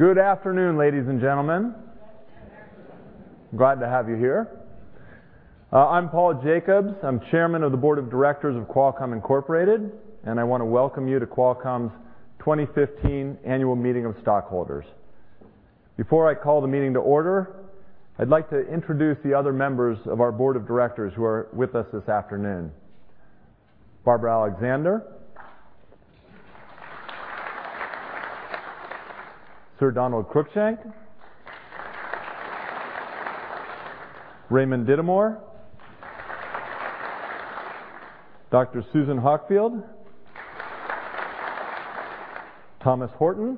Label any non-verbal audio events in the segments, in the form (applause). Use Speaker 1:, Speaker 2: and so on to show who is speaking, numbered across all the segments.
Speaker 1: Good afternoon, ladies and gentlemen.
Speaker 2: (audio distortion)
Speaker 1: Glad to have you here. I'm Paul Jacobs. I'm Chairman of the Board of Directors of Qualcomm Incorporated, and I want to welcome you to Qualcomm's 2015 Annual Meeting of Stockholders. Before I call the meeting to order, I'd like to introduce the other members of our Board of Directors who are with us this afternoon. Barbara Alexander. Sir Donald Cruickshank. Raymond Dittamore. Dr. Susan Hockfield. Thomas Horton.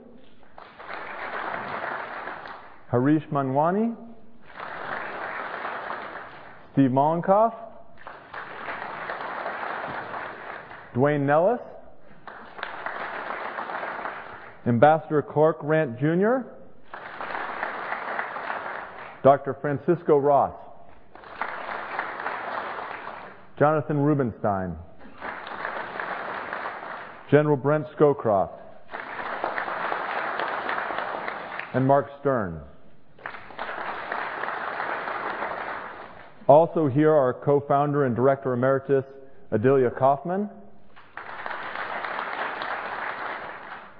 Speaker 1: Harish Manwani. Steve Mollenkopf. Duane Nelles. Ambassador Clark T. Randt Jr. Dr. Francisco Ros. Jonathan Rubinstein. General Brent Scowcroft. Marc Stern. Also here are Co-Founder and Director Emeritus, Adelia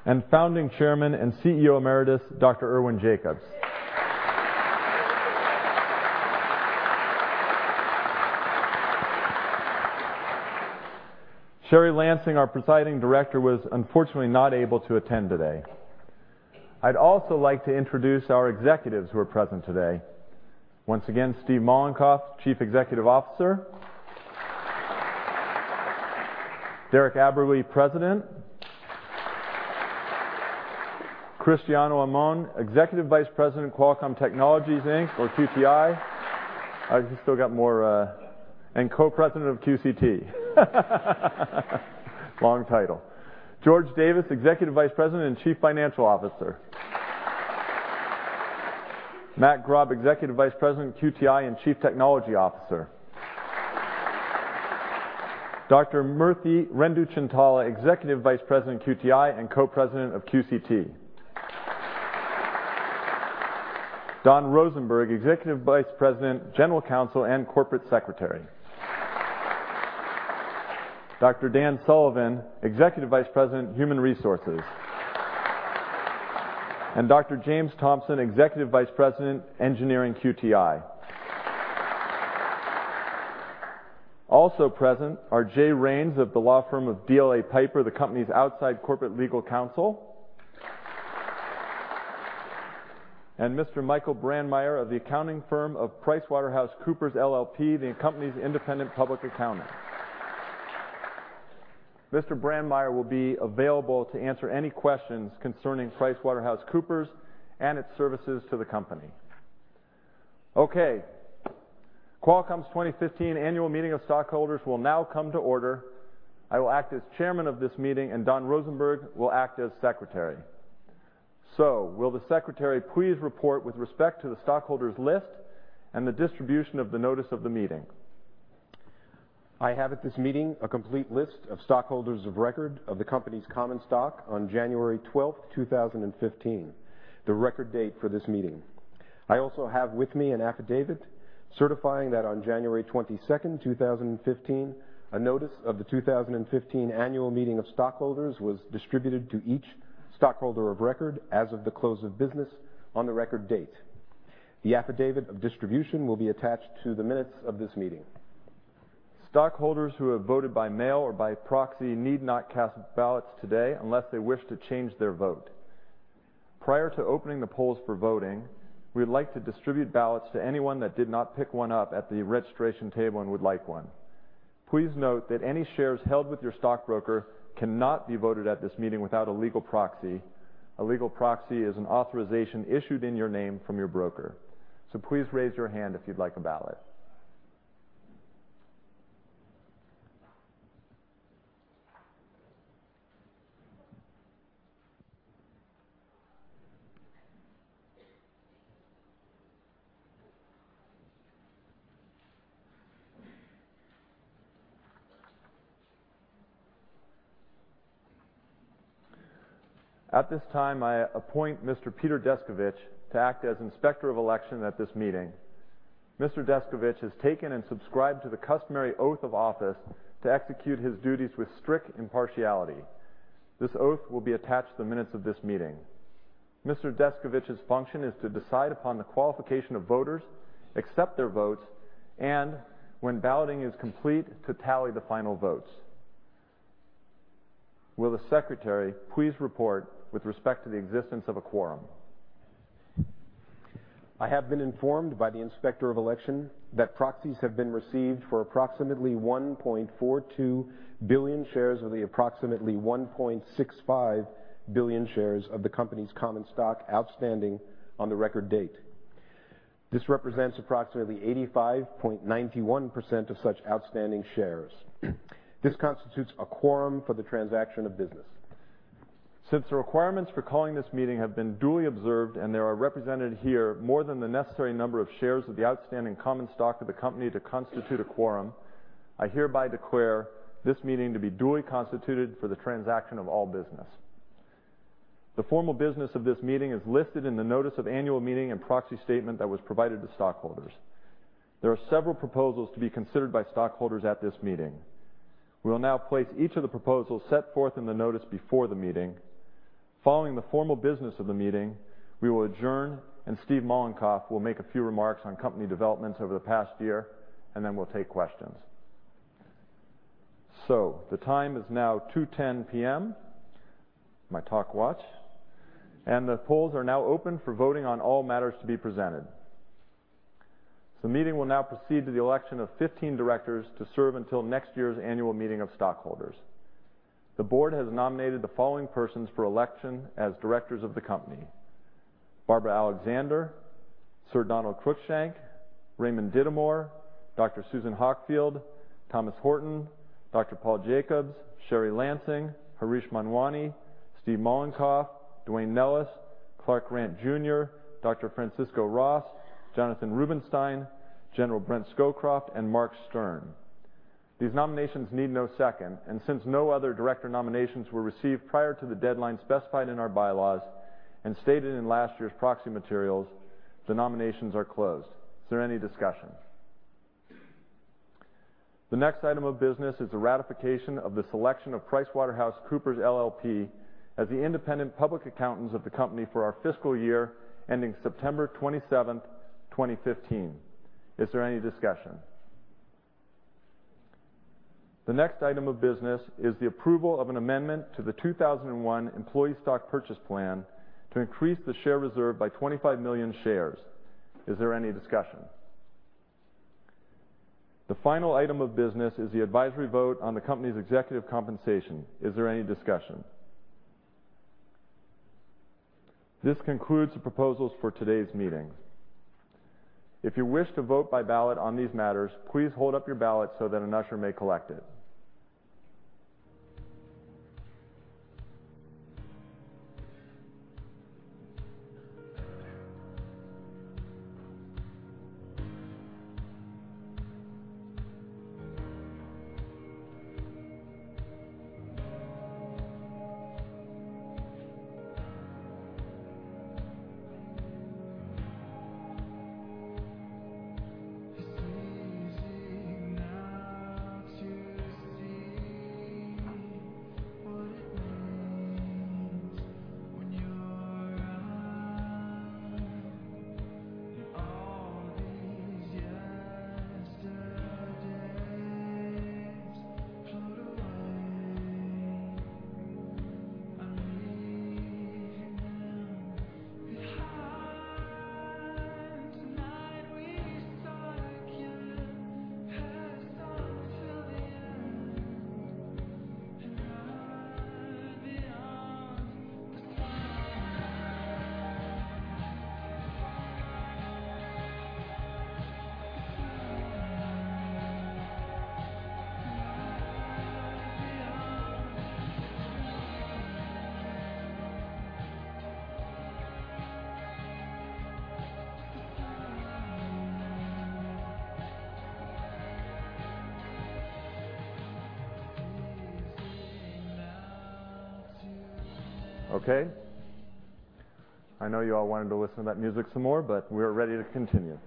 Speaker 1: Coffman. Founding Chairman and CEO Emeritus, Dr. Irwin Jacobs. Sherry Lansing, our Presiding Director, was unfortunately not able to attend today. I'd also like to introduce our executives who are present today. Once again, Steve Mollenkopf, Chief Executive Officer. Derek Aberle, President. Cristiano Amon, Executive Vice President, Qualcomm Technologies, Inc., or QTI. I still got more. Co-President of QCT. Long title. George Davis, Executive Vice President and Chief Financial Officer. Matt Grob, Executive Vice President, QTI, and Chief Technology Officer. Murthy Renduchintala, Executive Vice President, QTI, and Co-President of QCT. Don Rosenberg, Executive Vice President, General Counsel, and Corporate Secretary. Dr. Dan Sullivan, Executive Vice President, Human Resources. Dr. James Thompson, Executive Vice President, Engineering, QTI. Also present are Jay Reins of the law firm of DLA Piper, the company's outside corporate legal counsel. Mr. Michael Brandmeier of the accounting firm of PricewaterhouseCoopers LLP, the company's independent public accountant. Mr. Brandmeier will be available to answer any questions concerning PricewaterhouseCoopers and its services to the company. Okay. Qualcomm's 2015 Annual Meeting of Stockholders will now come to order. I will act as chairman of this meeting, and Don Rosenberg will act as secretary. Will the secretary please report with respect to the stockholders' list and the distribution of the notice of the meeting?
Speaker 3: I have at this meeting a complete list of stockholders of record of the company's common stock on January 12th, 2015, the record date for this meeting. I also have with me an affidavit certifying that on January 22nd, 2015, a notice of the 2015 Annual Meeting of Stockholders was distributed to each stockholder of record as of the close of business on the record date. The affidavit of distribution will be attached to the minutes of this meeting.
Speaker 1: Stockholders who have voted by mail or by proxy need not cast ballots today unless they wish to change their vote. Prior to opening the polls for voting, we'd like to distribute ballots to anyone that did not pick one up at the registration table and would like one. Please note that any shares held with your stockbroker cannot be voted at this meeting without a legal proxy. A legal proxy is an authorization issued in your name from your broker. Please raise your hand if you'd like a ballot. At this time, I appoint Mr. Peter Deskovich to act as Inspector of Election at this meeting. Mr. Deskovich has taken and subscribed to the customary oath of office to execute his duties with strict impartiality. This oath will be attached to the minutes of this meeting. Mr. Deskovich's function is to decide upon the qualification of voters, accept their votes, and when balloting is complete, to tally the final votes. Will the secretary please report with respect to the existence of a quorum?
Speaker 3: I have been informed by the Inspector of Election that proxies have been received for approximately 1.42 billion shares of the approximately 1.65 billion shares of the company's common stock outstanding on the record date. This represents approximately 85.91% of such outstanding shares. This constitutes a quorum for the transaction of business
Speaker 1: The requirements for calling this meeting have been duly observed and there are represented here more than the necessary number of shares of the outstanding common stock of the company to constitute a quorum, I hereby declare this meeting to be duly constituted for the transaction of all business. The formal business of this meeting is listed in the notice of annual meeting and proxy statement that was provided to stockholders. There are several proposals to be considered by stockholders at this meeting. We will now place each of the proposals set forth in the notice before the meeting. Following the formal business of the meeting, we will adjourn. Steve Mollenkopf will make a few remarks on company developments over the past year. We'll take questions. The time is now 2:10 P.M., my talk watch. The polls are now open for voting on all matters to be presented. The meeting will now proceed to the election of 15 directors to serve until next year's annual meeting of stockholders. The board has nominated the following persons for election as directors of the company: Barbara Alexander, Sir Donald Cruickshank, Raymond Dittamore, Dr. Susan Hockfield, Thomas Horton, Dr. Paul Jacobs, Sherry Lansing, Harish Manwani, Steve Mollenkopf, Duane Nelles, Clark Randt Jr., Dr. Francisco Ros, Jonathan Rubinstein, General Brent Scowcroft, and Marc Stern. These nominations need no second. Since no other director nominations were received prior to the deadline specified in our bylaws and stated in last year's proxy materials, the nominations are closed. Is there any discussion? The next item of business is the ratification of the selection of PricewaterhouseCoopers LLP as the independent public accountants of the company for our fiscal year ending September 27th, 2015. Is there any discussion? The next item of business is the approval of an amendment to the 2001 Employee Stock Purchase Plan to increase the share reserve by 25 million shares. Is there any discussion? The final item of business is the advisory vote on the company's executive compensation. Is there any discussion? This concludes the proposals for today's meeting. If you wish to vote by ballot on these matters, please hold up your ballot so that an usher may collect it. Okay. I know you all wanted to listen to that music some more. We are ready to continue.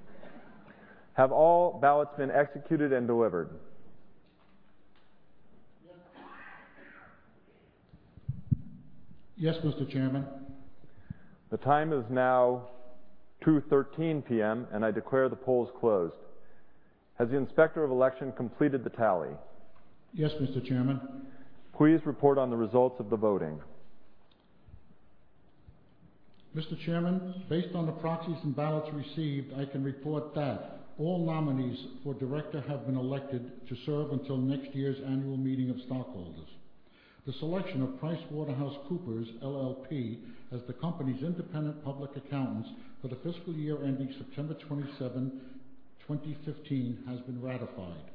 Speaker 1: Have all ballots been executed and delivered?
Speaker 4: Yes, Mr. Chairman.
Speaker 1: The time is now 2:13 P.M., and I declare the polls closed. Has the Inspector of Election completed the tally?
Speaker 4: Yes, Mr. Chairman.
Speaker 1: Please report on the results of the voting.
Speaker 4: Mr. Chairman, based on the proxies and ballots received, I can report that all nominees for director have been elected to serve until next year's annual meeting of stockholders. The selection of PricewaterhouseCoopers LLP as the company's independent public accountants for the fiscal year ending September 27, 2015, has been ratified.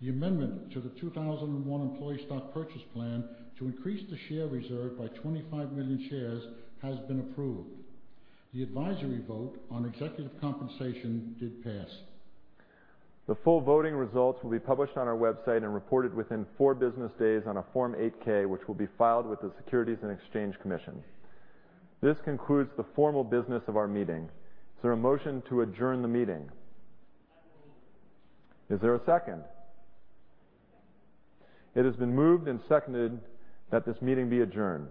Speaker 4: The amendment to the 2001 Employee Stock Purchase Plan to increase the share reserve by 25 million shares has been approved. The advisory vote on executive compensation did pass.
Speaker 1: The full voting results will be published on our website and reported within four business days on a Form 8-K, which will be filed with the Securities and Exchange Commission. This concludes the formal business of our meeting. Is there a motion to adjourn the meeting?
Speaker 2: I move.
Speaker 1: Is there a second?
Speaker 2: Second.
Speaker 1: It has been moved and seconded that this meeting be adjourned.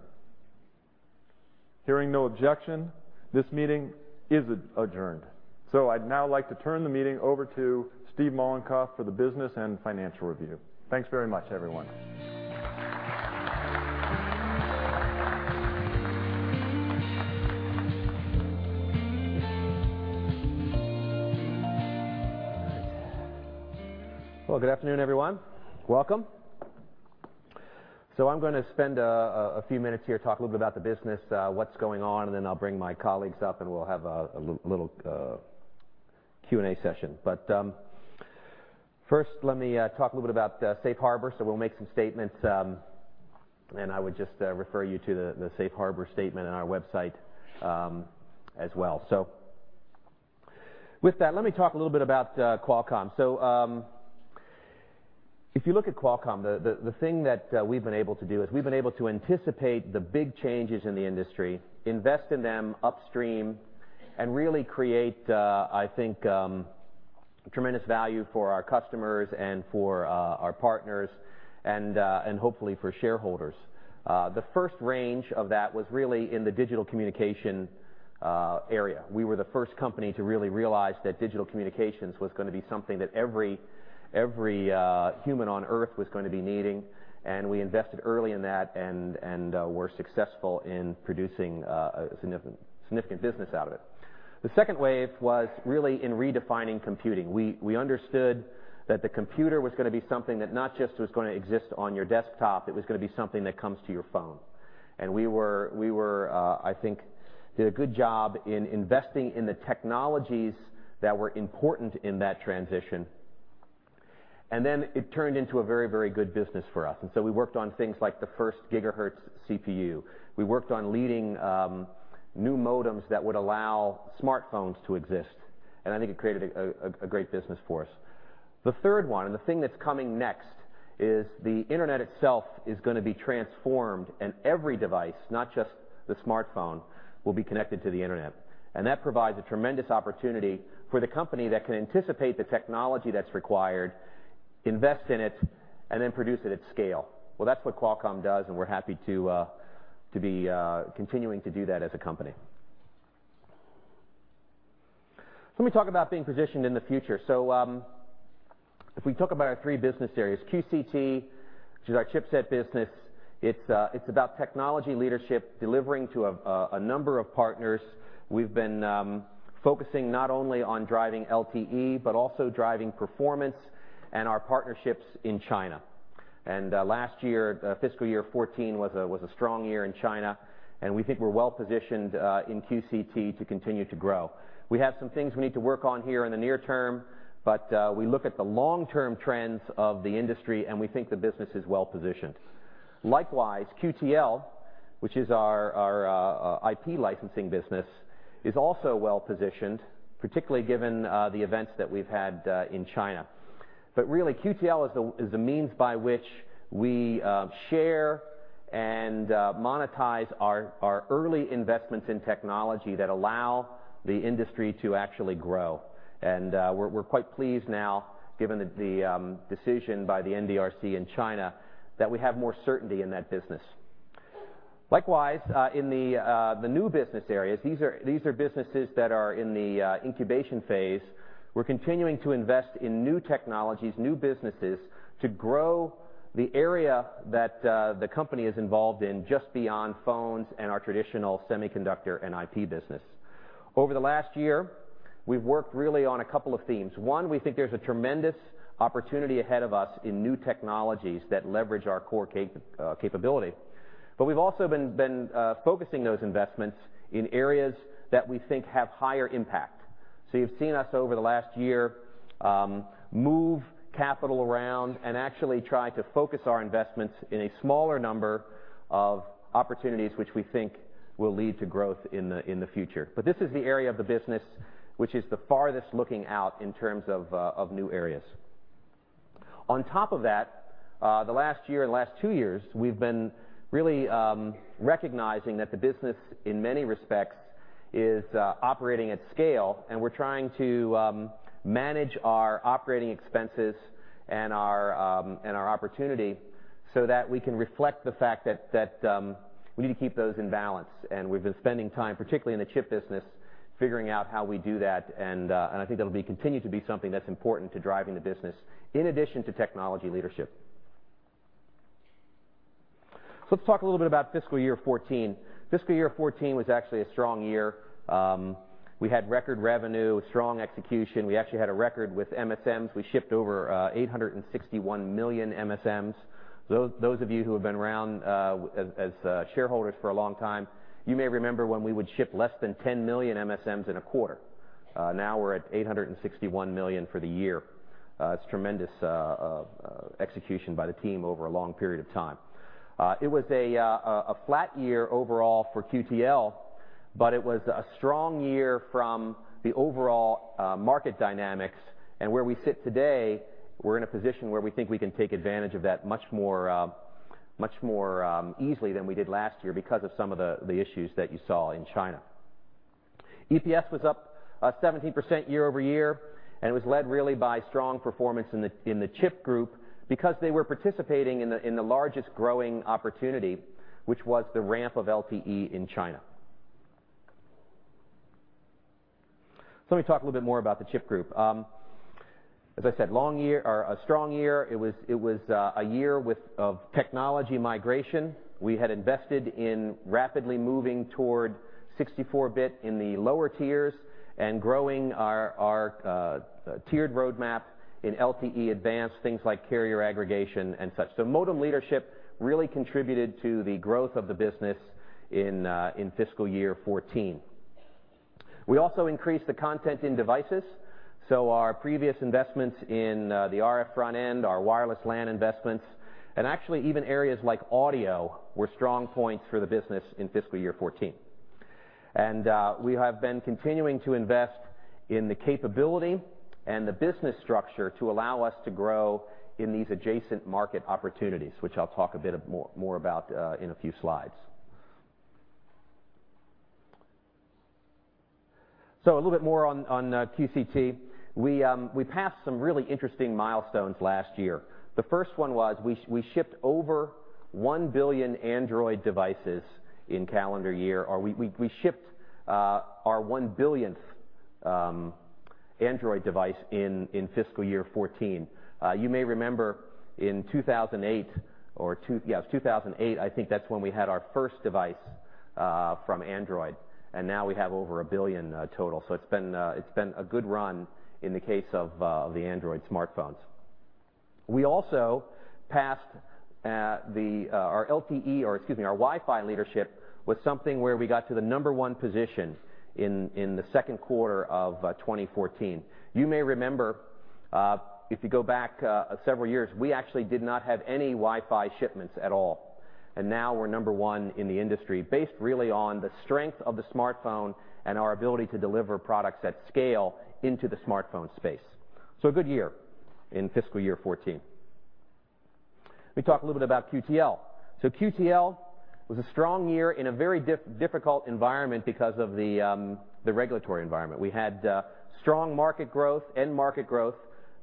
Speaker 1: Hearing no objection, this meeting is adjourned. I'd now like to turn the meeting over to Steve Mollenkopf for the business and financial review. Thanks very much, everyone.
Speaker 5: Well, good afternoon, everyone. Welcome. I'm going to spend a few minutes here, talk a little bit about the business, what's going on, and then I'll bring my colleagues up, and we'll have a little Q&A session. First, let me talk a little bit about safe harbor. We'll make some statements, and I would just refer you to the safe harbor statement on our website as well. With that, let me talk a little bit about Qualcomm. If you look at Qualcomm, the thing that we've been able to do is we've been able to anticipate the big changes in the industry, invest in them upstream, and really create tremendous value for our customers and for our partners and hopefully for shareholders. The first range of that was really in the digital communication area. We were the first company to really realize that digital communications was going to be something that every human on Earth was going to be needing and we invested early in that and were successful in producing a significant business out of it. The second wave was really in redefining computing. We understood that the computer was going to be something that not just was going to exist on your desktop, it was going to be something that comes to your phone. We, I think, did a good job in investing in the technologies that were important in that transition, and then it turned into a very good business for us. We worked on things like the first gigahertz CPU. We worked on leading new modems that would allow smartphones to exist, and I think it created a great business for us. The third one, and the thing that's coming next, is the internet itself is going to be transformed and every device, not just the smartphone, will be connected to the internet. That provides a tremendous opportunity for the company that can anticipate the technology that's required, invest in it, and then produce it at scale. Well, that's what Qualcomm does and we're happy to be continuing to do that as a company. Let me talk about being positioned in the future. If we talk about our three business areas, QCT, which is our chipset business, it's about technology leadership delivering to a number of partners. We've been focusing not only on driving LTE, but also driving performance and our partnerships in China. Last year, fiscal year 2014 was a strong year in China, and we think we're well positioned in QCT to continue to grow. We have some things we need to work on here in the near term, we look at the long-term trends of the industry and we think the business is well positioned. Likewise, QTL, which is our IP licensing business, is also well positioned, particularly given the events that we've had in China. Really, QTL is the means by which we share and monetize our early investments in technology that allow the industry to actually grow. We're quite pleased now, given the decision by the NDRC in China, that we have more certainty in that business. Likewise, in the new business areas, these are businesses that are in the incubation phase. We're continuing to invest in new technologies, new businesses to grow the area that the company is involved in just beyond phones and our traditional semiconductor and IP business. Over the last year, we've worked really on a couple of themes. One, we think there's a tremendous opportunity ahead of us in new technologies that leverage our core capability. We've also been focusing those investments in areas that we think have higher impact. You've seen us over the last year move capital around and actually try to focus our investments in a smaller number of opportunities which we think will lead to growth in the future. This is the area of the business which is the farthest looking out in terms of new areas. On top of that, the last year and last two years, we've been really recognizing that the business in many respects is operating at scale and we're trying to manage our operating expenses and our opportunity so that we can reflect the fact that we need to keep those in balance. We've been spending time, particularly in the chip business, figuring out how we do that, I think that'll continue to be something that's important to driving the business in addition to technology leadership. Let's talk a little bit about fiscal year 2014. Fiscal year 2014 was actually a strong year. We had record revenue, strong execution. We actually had a record with MSMs. We shipped over 861 million MSMs. Those of you who have been around as shareholders for a long time, you may remember when we would ship less than 10 million MSMs in a quarter. Now we're at 861 million for the year. It's tremendous execution by the team over a long period of time. It was a flat year overall for QTL, it was a strong year from the overall market dynamics. Where we sit today, we're in a position where we think we can take advantage of that much more easily than we did last year because of some of the issues that you saw in China. EPS was up 17% year-over-year and was led really by strong performance in the chip group because they were participating in the largest growing opportunity, which was the ramp of LTE in China. Let me talk a little bit more about the chip group. As I said, a strong year. It was a year of technology migration. We had invested in rapidly moving toward 64-bit in the lower tiers and growing our tiered roadmap in LTE-Advanced, things like carrier aggregation and such. Modem leadership really contributed to the growth of the business in fiscal year 2014. We also increased the content in devices. Our previous investments in the RF front end, our wireless LAN investments, and actually even areas like audio were strong points for the business in fiscal year 2014. We have been continuing to invest in the capability and the business structure to allow us to grow in these adjacent market opportunities, which I'll talk a bit more about in a few slides. A little bit more on QCT. We passed some really interesting milestones last year. The first one was we shipped over 1 billion Android devices in calendar year, or we shipped our 1 billionth Android device in fiscal year 2014. You may remember in 2008, I think that's when we had our first device from Android, and now we have over 1 billion total. It's been a good run in the case of the Android smartphones. We also passed our LTE, or excuse me, our Wi-Fi leadership was something where we got to the number 1 position in the second quarter of 2014. You may remember, if you go back several years, we actually did not have any Wi-Fi shipments at all. Now we're number 1 in the industry based really on the strength of the smartphone and our ability to deliver products at scale into the smartphone space. A good year in fiscal year 2014. Let me talk a little bit about QTL. QTL was a strong year in a very difficult environment because of the regulatory environment. We had strong market growth, end market growth,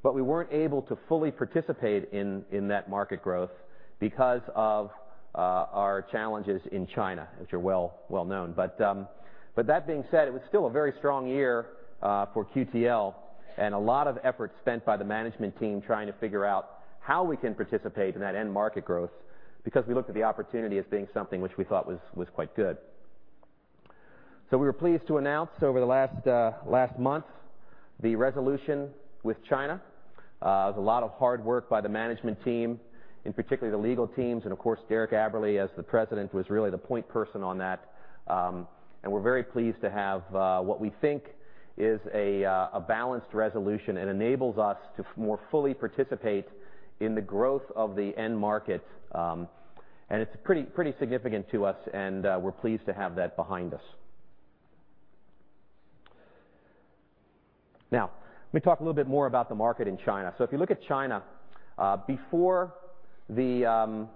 Speaker 5: but we weren't able to fully participate in that market growth because of our challenges in China, which are well known. That being said, it was still a very strong year for QTL and a lot of effort spent by the management team trying to figure out how we can participate in that end market growth because we looked at the opportunity as being something which we thought was quite good. We were pleased to announce over the last month the resolution with China. It was a lot of hard work by the management team, in particular the legal teams, and of course, Derek Aberle, as the president, was really the point person on that. We're very pleased to have what we think is a balanced resolution. It enables us to more fully participate in the growth of the end market, and it's pretty significant to us, and we're pleased to have that behind us. Let me talk a little bit more about the market in China. If you look at China, before the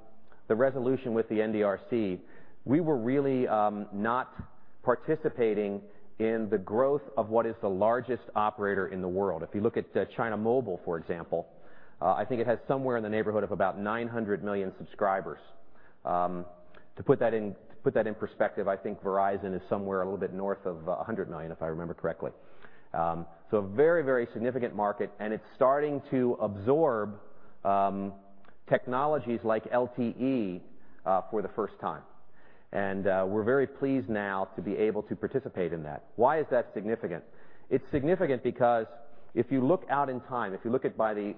Speaker 5: resolution with the NDRC, we were really not participating in the growth of what is the largest operator in the world. If you look at China Mobile, for example, I think it has somewhere in the neighborhood of about 900 million subscribers. To put that in perspective, I think Verizon is somewhere a little bit north of 100 million, if I remember correctly. A very significant market, and it's starting to absorb technologies like LTE for the first time. We're very pleased now to be able to participate in that. Why is that significant? It's significant because if you look out in time, if you look at by the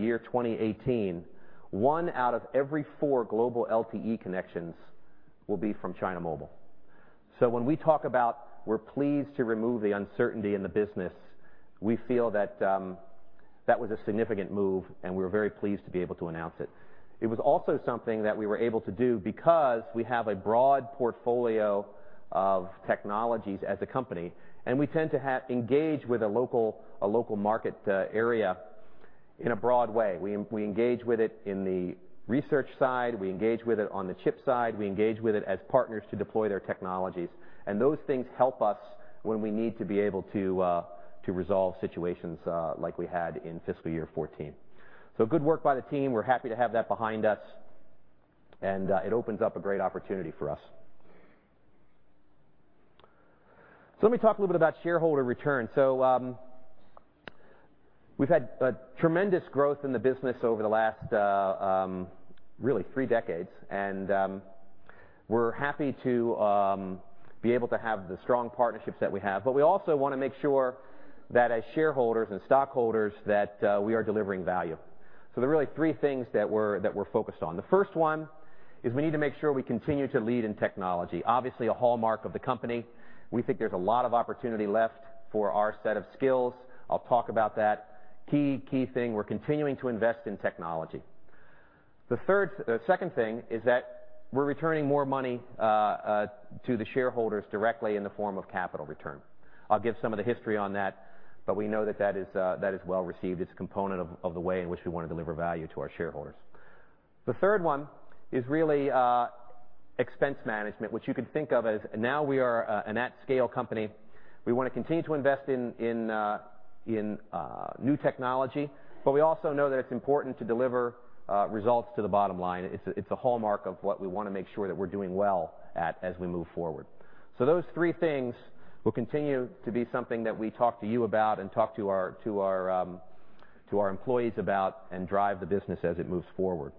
Speaker 5: year 2018, 1 out of every 4 global LTE connections will be from China Mobile. When we talk about we're pleased to remove the uncertainty in the business, we feel that was a significant move, and we were very pleased to be able to announce it. It was also something that we were able to do because we have a broad portfolio of technologies as a company, and we tend to engage with a local market area in a broad way. We engage with it in the research side, we engage with it on the chip side, we engage with it as partners to deploy their technologies. Those things help us when we need to be able to resolve situations like we had in fiscal year 2014. Good work by the team. We're happy to have that behind us. It opens up a great opportunity for us. Let me talk a little bit about shareholder return. We've had tremendous growth in the business over the last really three decades, and we're happy to be able to have the strong partnerships that we have. We also want to make sure that as shareholders and stockholders, that we are delivering value. There are really three things that we're focused on. The first one is we need to make sure we continue to lead in technology. Obviously, a hallmark of the company. We think there's a lot of opportunity left for our set of skills. I'll talk about that. Key thing, we're continuing to invest in technology. The second thing is that we're returning more money to the shareholders directly in the form of capital return. I'll give some of the history on that, we know that is well received. It's a component of the way in which we want to deliver value to our shareholders. The third one is really expense management, which you could think of as now we are an at-scale company. We want to continue to invest in new technology, we also know that it's important to deliver results to the bottom line. It's a hallmark of what we want to make sure that we're doing well at as we move forward. Those three things will continue to be something that we talk to you about and talk to our employees about and drive the business as it moves forward.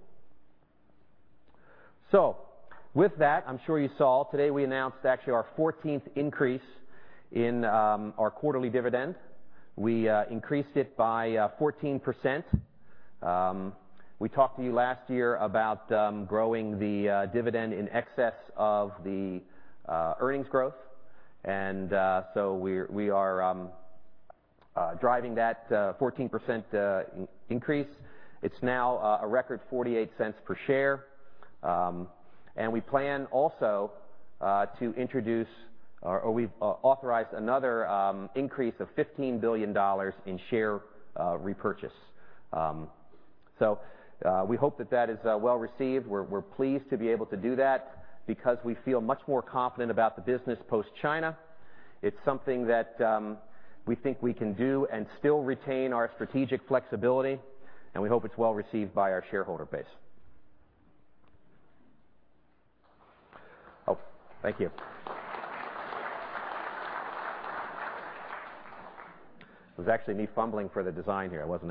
Speaker 5: With that, I'm sure you saw today we announced actually our 14th increase in our quarterly dividend. We increased it by 14%. We talked to you last year about growing the dividend in excess of the earnings growth. We are driving that 14% increase. It's now a record $0.48 per share. We plan also to introduce, or we've authorized another increase of $15 billion in share repurchase. We hope that that is well-received. We're pleased to be able to do that because we feel much more confident about the business post-China. It's something that we think we can do and still retain our strategic flexibility, and we hope it's well received by our shareholder base. Oh, thank you. It was actually me fumbling for the design here. With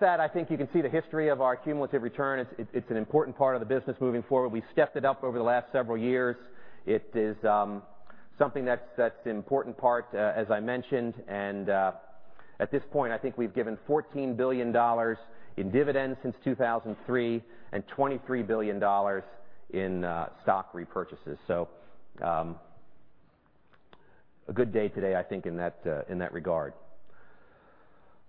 Speaker 5: that, I think you can see the history of our cumulative return. It's an important part of the business moving forward. We stepped it up over the last several years. It is something that's the important part as I mentioned. At this point, I think we've given $14 billion in dividends since 2003, and $23 billion in stock repurchases. A good day today, I think in that regard.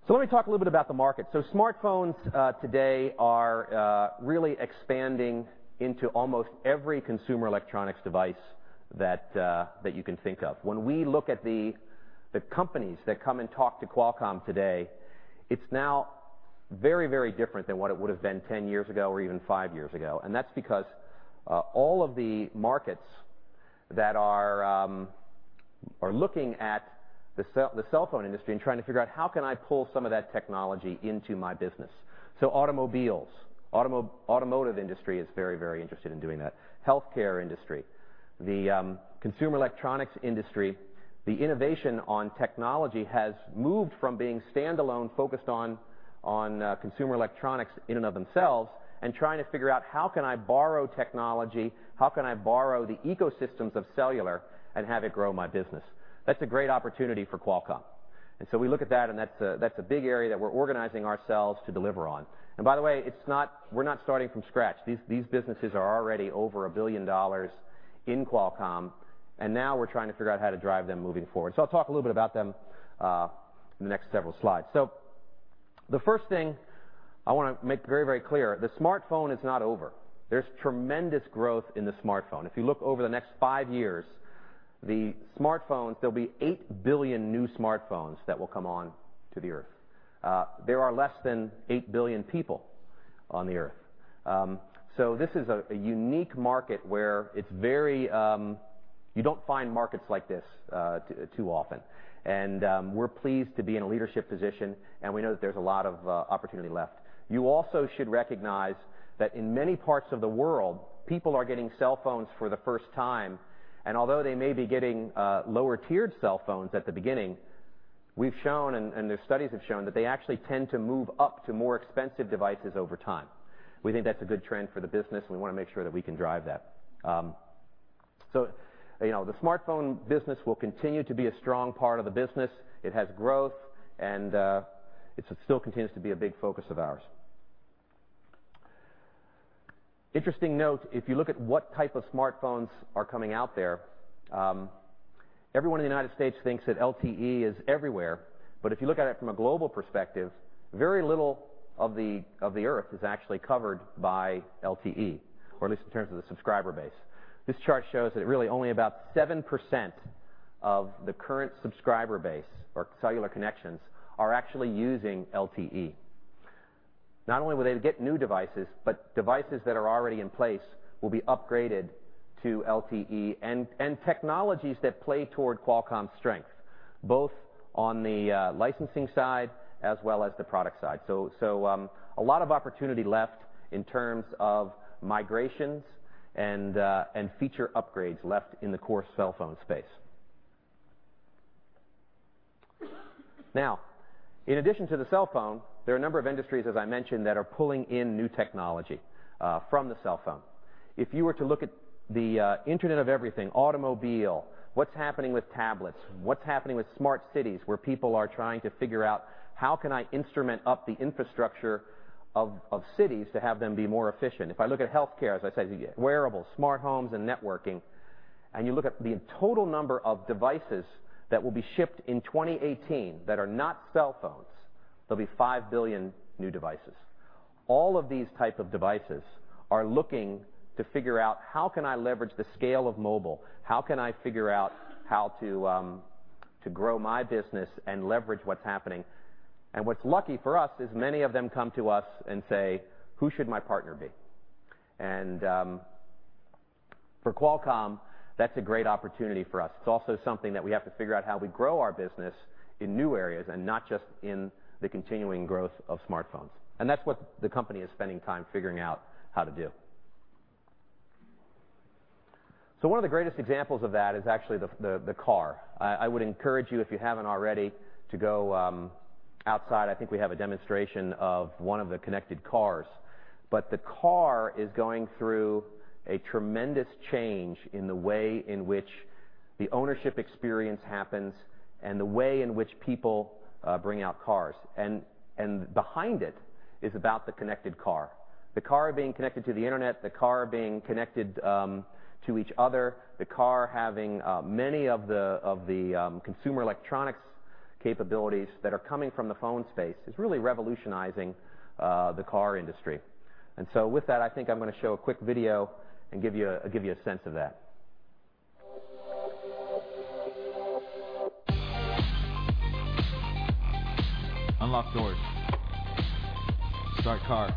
Speaker 5: Let me talk a little bit about the market. Smartphones today are really expanding into almost every consumer electronics device that you can think of. When we look at the companies that come and talk to Qualcomm today, it's now very different than what it would have been 10 years ago or even five years ago. That's because all of the markets that are looking at the cellphone industry and trying to figure out how can I pull some of that technology into my business. Automobiles. Automotive industry is very interested in doing that. Healthcare industry, the consumer electronics industry, the innovation on technology has moved from being standalone focused on consumer electronics in and of themselves and trying to figure out how can I borrow technology? How can I borrow the ecosystems of cellular and have it grow my business? That's a great opportunity for Qualcomm. We look at that and that's a big area that we're organizing ourselves to deliver on. By the way, we're not starting from scratch. These businesses are already over $1 billion in Qualcomm, and now we're trying to figure out how to drive them moving forward. I'll talk a little bit about them in the next several slides. The first thing I want to make very clear, the smartphone is not over. There's tremendous growth in the smartphone. If you look over the next five years, the smartphones, there'll be 8 billion new smartphones that will come on to the Earth. There are less than 8 billion people on the Earth. This is a unique market where you don't find markets like this too often. We're pleased to be in a leadership position, and we know that there's a lot of opportunity left. You also should recognize that in many parts of the world, people are getting cellphones for the first time, and although they may be getting lower-tiered cellphones at the beginning, we've shown and the studies have shown that they actually tend to move up to more expensive devices over time. We think that's a good trend for the business, and we want to make sure that we can drive that. The smartphone business will continue to be a strong part of the business. It has growth, and it still continues to be a big focus of ours. Interesting note, if you look at what type of smartphones are coming out there, everyone in the U.S. thinks that LTE is everywhere, but if you look at it from a global perspective, very little of the Earth is actually covered by LTE, or at least in terms of the subscriber base. This chart shows that really only about 7% of the current subscriber base or cellular connections are actually using LTE. Not only will they get new devices, but devices that are already in place will be upgraded to LTE and technologies that play toward Qualcomm's strength, both on the licensing side as well as the product side. A lot of opportunity left in terms of migrations and feature upgrades left in the core cellphone space. In addition to the cellphone, there are a number of industries, as I mentioned, that are pulling in new technology from the cellphone. If you were to look at the Internet of Everything, automobile, what's happening with tablets, what's happening with smart cities, where people are trying to figure out how can I instrument up the infrastructure of cities to have them be more efficient? If I look at healthcare, as I said, wearables, smart homes, and networking, and you look at the total number of devices that will be shipped in 2018 that are not cellphones, there'll be 5 billion new devices. All of these type of devices are looking to figure out how can I leverage the scale of mobile? How can I figure out how to grow my business and leverage what's happening? What's lucky for us is many of them come to us and say, "Who should my partner be?" For Qualcomm, that's a great opportunity for us. It's also something that we have to figure out how we grow our business in new areas and not just in the continuing growth of smartphones. That's what the company is spending time figuring out how to do. One of the greatest examples of that is actually the car. I would encourage you, if you haven't already, to go outside. I think we have a demonstration of one of the connected cars. The car is going through a tremendous change in the way in which the ownership experience happens and the way in which people bring out cars. Behind it is about the connected car. The car being connected to the internet, the car being connected to each other, the car having many of the consumer electronics capabilities that are coming from the phone space is really revolutionizing the car industry. With that, I think I'm going to show a quick video and give you a sense of that. Unlock doors. Start car.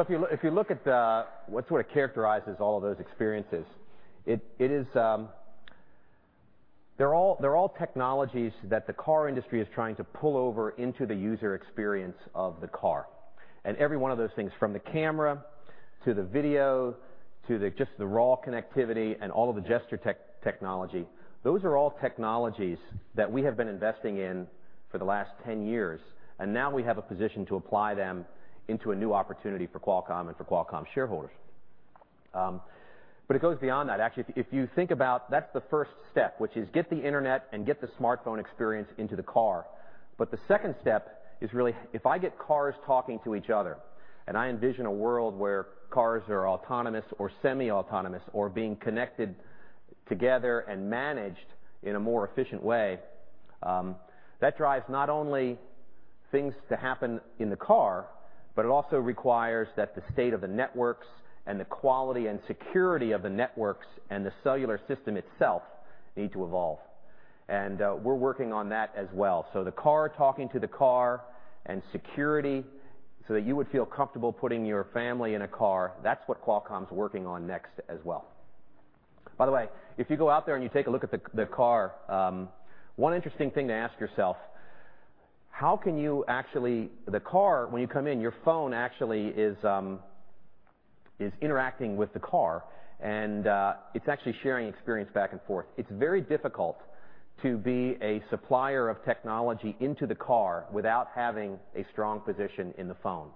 Speaker 5: Okay. Thank you. If you look at what sort of characterizes all of those experiences, they're all technologies that the car industry is trying to pull over into the user experience of the car. Every one of those things, from the camera to the video to just the raw connectivity and all of the gesture technology, those are all technologies that we have been investing in for the last 10 years, and now we have a position to apply them into a new opportunity for Qualcomm and for Qualcomm shareholders. It goes beyond that. Actually, if you think about, that's the first step, which is get the internet and get the smartphone experience into the car. The second step is really if I get cars talking to each other, and I envision a world where cars are autonomous or semi-autonomous or being connected together and managed in a more efficient way, that drives not only things to happen in the car, but it also requires that the state of the networks and the quality and security of the networks and the cellular system itself need to evolve. We're working on that as well. The car talking to the car and security so that you would feel comfortable putting your family in a car, that's what Qualcomm's working on next as well. By the way, if you go out there and you take a look at the car, one interesting thing to ask yourself, the car, when you come in, your phone actually is interacting with the car, and it's actually sharing experience back and forth. It's very difficult to be a supplier of technology into the car without having a strong position in the phone.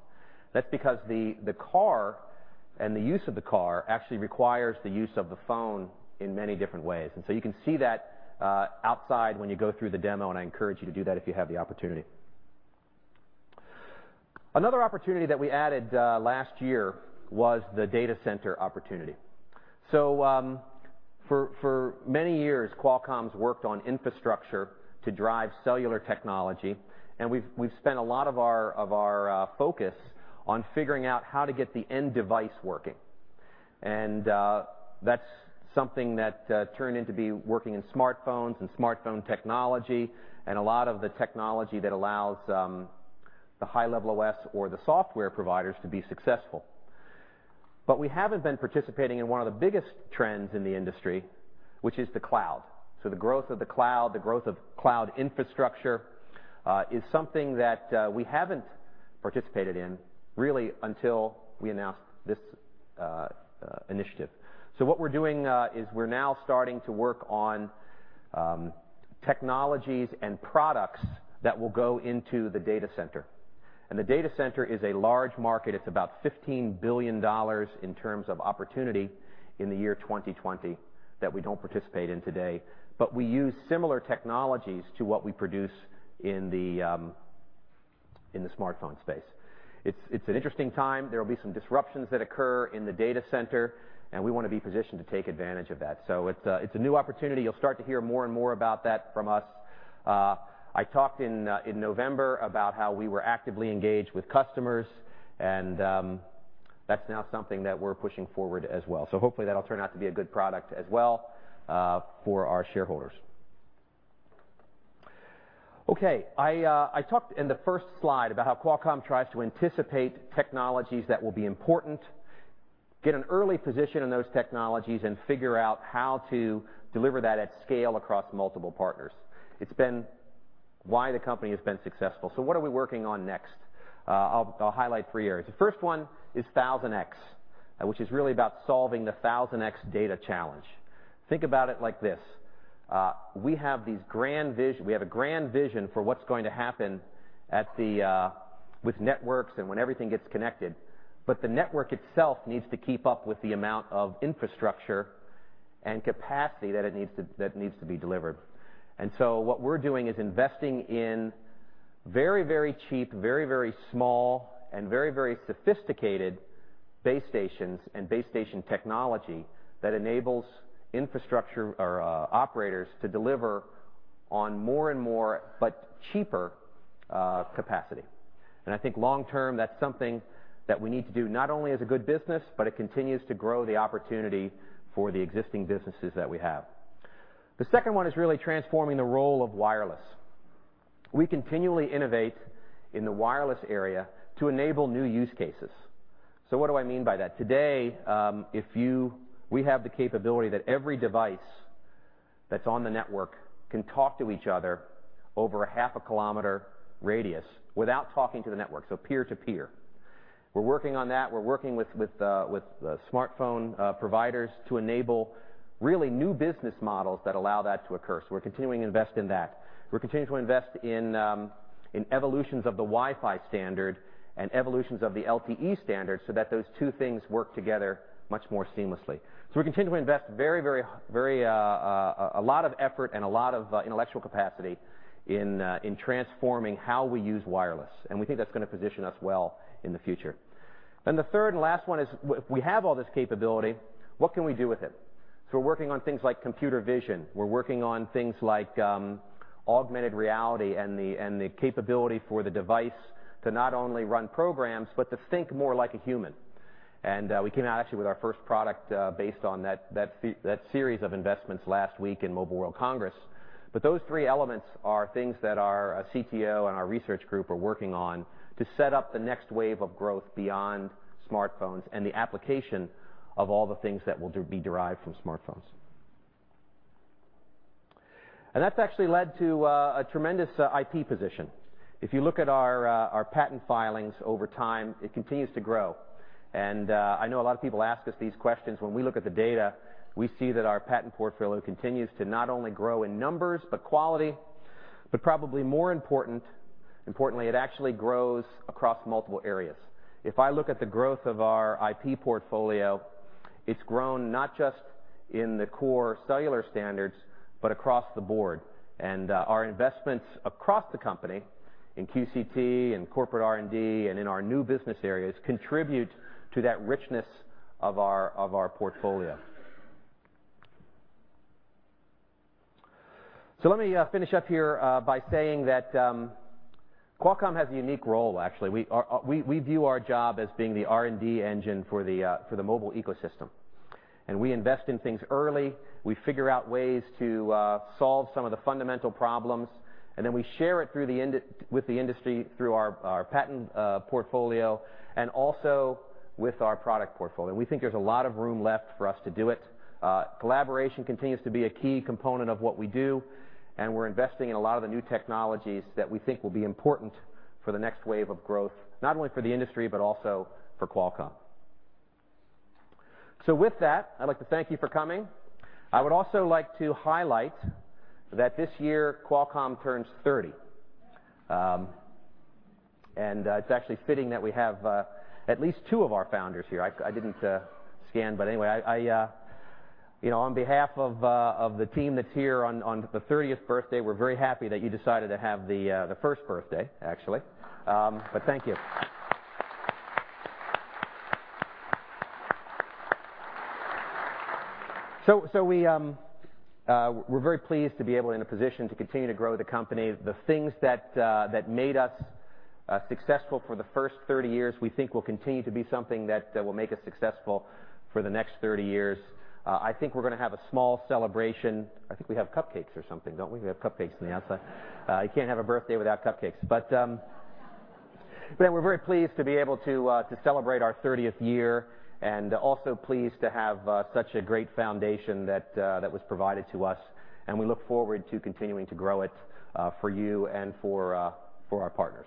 Speaker 5: That's because the car and the use of the car actually requires the use of the phone in many different ways. You can see that outside when you go through the demo, and I encourage you to do that if you have the opportunity. Another opportunity that we added last year was the data center opportunity. For many years, Qualcomm's worked on infrastructure to drive cellular technology, and we've spent a lot of our focus on figuring out how to get the end device working. That's something that turned into be working in smartphones and smartphone technology and a lot of the technology that allows the high-level OS or the software providers to be successful. We haven't been participating in one of the biggest trends in the industry, which is the cloud. The growth of the cloud, the growth of cloud infrastructure, is something that we haven't participated in really until we announced this initiative. What we're doing is we're now starting to work on technologies and products that will go into the data center. The data center is a large market. It's about $15 billion in terms of opportunity in the year 2020 that we don't participate in today, but we use similar technologies to what we produce in the smartphone space. It's an interesting time. There will be some disruptions that occur in the data center, and we want to be positioned to take advantage of that. It's a new opportunity. You'll start to hear more and more about that from us. I talked in November about how we were actively engaged with customers, and that's now something that we're pushing forward as well. Hopefully, that'll turn out to be a good product as well for our shareholders. Okay. I talked in the first slide about how Qualcomm tries to anticipate technologies that will be important, get an early position in those technologies, and figure out how to deliver that at scale across multiple partners. It's been why the company has been successful. What are we working on next? I'll highlight three areas. The first one is 1000x, which is really about solving the 1000x data challenge. Think about it like this. We have a grand vision for what's going to happen with networks and when everything gets connected, the network itself needs to keep up with the amount of infrastructure and capacity that needs to be delivered. What we're doing is investing in very cheap, very small, and very sophisticated base stations and base station technology that enables infrastructure or operators to deliver on more and more, cheaper capacity. I think long term, that's something that we need to do, not only as a good business, it continues to grow the opportunity for the existing businesses that we have. The second one is really transforming the role of wireless. We continually innovate in the wireless area to enable new use cases. What do I mean by that? Today, we have the capability that every device that's on the network can talk to each other over a half a kilometer radius without talking to the network, peer-to-peer. We're working on that. We're working with smartphone providers to enable really new business models that allow that to occur. We're continuing to invest in that. We're continuing to invest in evolutions of the Wi-Fi standard and evolutions of the LTE standard so that those two things work together much more seamlessly. We're continuing to invest a lot of effort and a lot of intellectual capacity in transforming how we use wireless, we think that's going to position us well in the future. The third and last one is, we have all this capability, what can we do with it? We're working on things like computer vision. We're working on things like augmented reality and the capability for the device to not only run programs but to think more like a human. We came out actually with our first product based on that series of investments last week in Mobile World Congress. Those three elements are things that our CTO and our research group are working on to set up the next wave of growth beyond smartphones and the application of all the things that will be derived from smartphones. That's actually led to a tremendous IP position. If you look at our patent filings over time, it continues to grow. I know a lot of people ask us these questions. When we look at the data, we see that our patent portfolio continues to not only grow in numbers, quality, probably more importantly, it actually grows across multiple areas. If I look at the growth of our IP portfolio, it's grown not just in the core cellular standards, across the board. Our investments across the company in QCT, in corporate R&D, and in our new business areas contribute to that richness of our portfolio. Let me finish up here by saying that Qualcomm has a unique role, actually. We view our job as being the R&D engine for the mobile ecosystem. We invest in things early. We figure out ways to solve some of the fundamental problems, we share it with the industry through our patent portfolio and also with our product portfolio. We think there's a lot of room left for us to do it. Collaboration continues to be a key component of what we do. We're investing in a lot of the new technologies that we think will be important for the next wave of growth, not only for the industry but also for Qualcomm. With that, I'd like to thank you for coming. I would also like to highlight that this year Qualcomm turns 30. It's actually fitting that we have at least two of our founders here. I didn't scan, anyway on behalf of the team that's here on the 30th birthday, we're very happy that you decided to have the first birthday, actually. Thank you. We're very pleased to be in a position to continue to grow the company. The things that made us successful for the first 30 years, we think will continue to be something that will make us successful for the next 30 years. I think we're going to have a small celebration. I think we have cupcakes or something, don't we? We have cupcakes on the outside. You can't have a birthday without cupcakes. We're very pleased to be able to celebrate our 30th year and also pleased to have such a great foundation that was provided to us. We look forward to continuing to grow it for you and for our partners.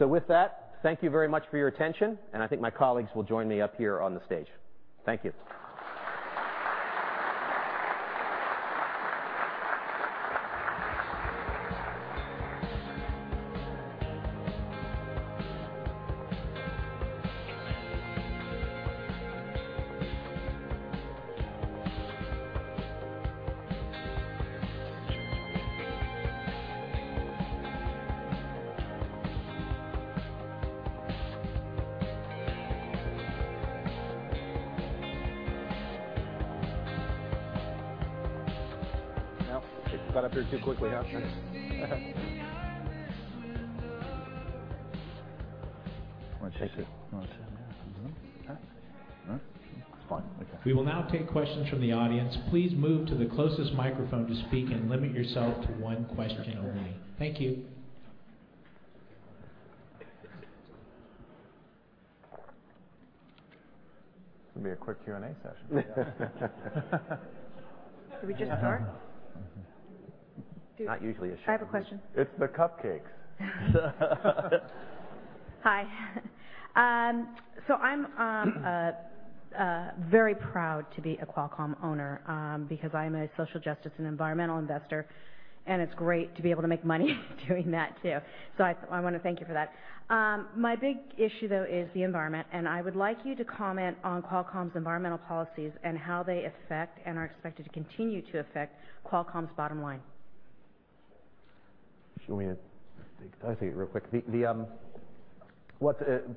Speaker 5: With that, thank you very much for your attention. I think my colleagues will join me up here on the stage. Thank you.
Speaker 1: Well, got up here too quickly, huh?
Speaker 5: Kind of. Want to chase it?
Speaker 1: You want to chase it? Yeah. All right. It's fine. Okay.
Speaker 6: We will now take questions from the audience. Please move to the closest microphone to speak and limit yourself to one question only. Thank you.
Speaker 5: This is going to be a quick Q&A session.
Speaker 2: Did we just start?
Speaker 5: Not usually a sure thing.
Speaker 7: I have a question.
Speaker 1: It's the cupcakes.
Speaker 7: Hi. I'm very proud to be a Qualcomm owner because I am a social justice and environmental investor, and it's great to be able to make money doing that too. I want to thank you for that. My big issue, though, is the environment, and I would like you to comment on Qualcomm's environmental policies and how they affect and are expected to continue to affect Qualcomm's bottom line.
Speaker 5: Do you want me to take that? I'll take it real quick.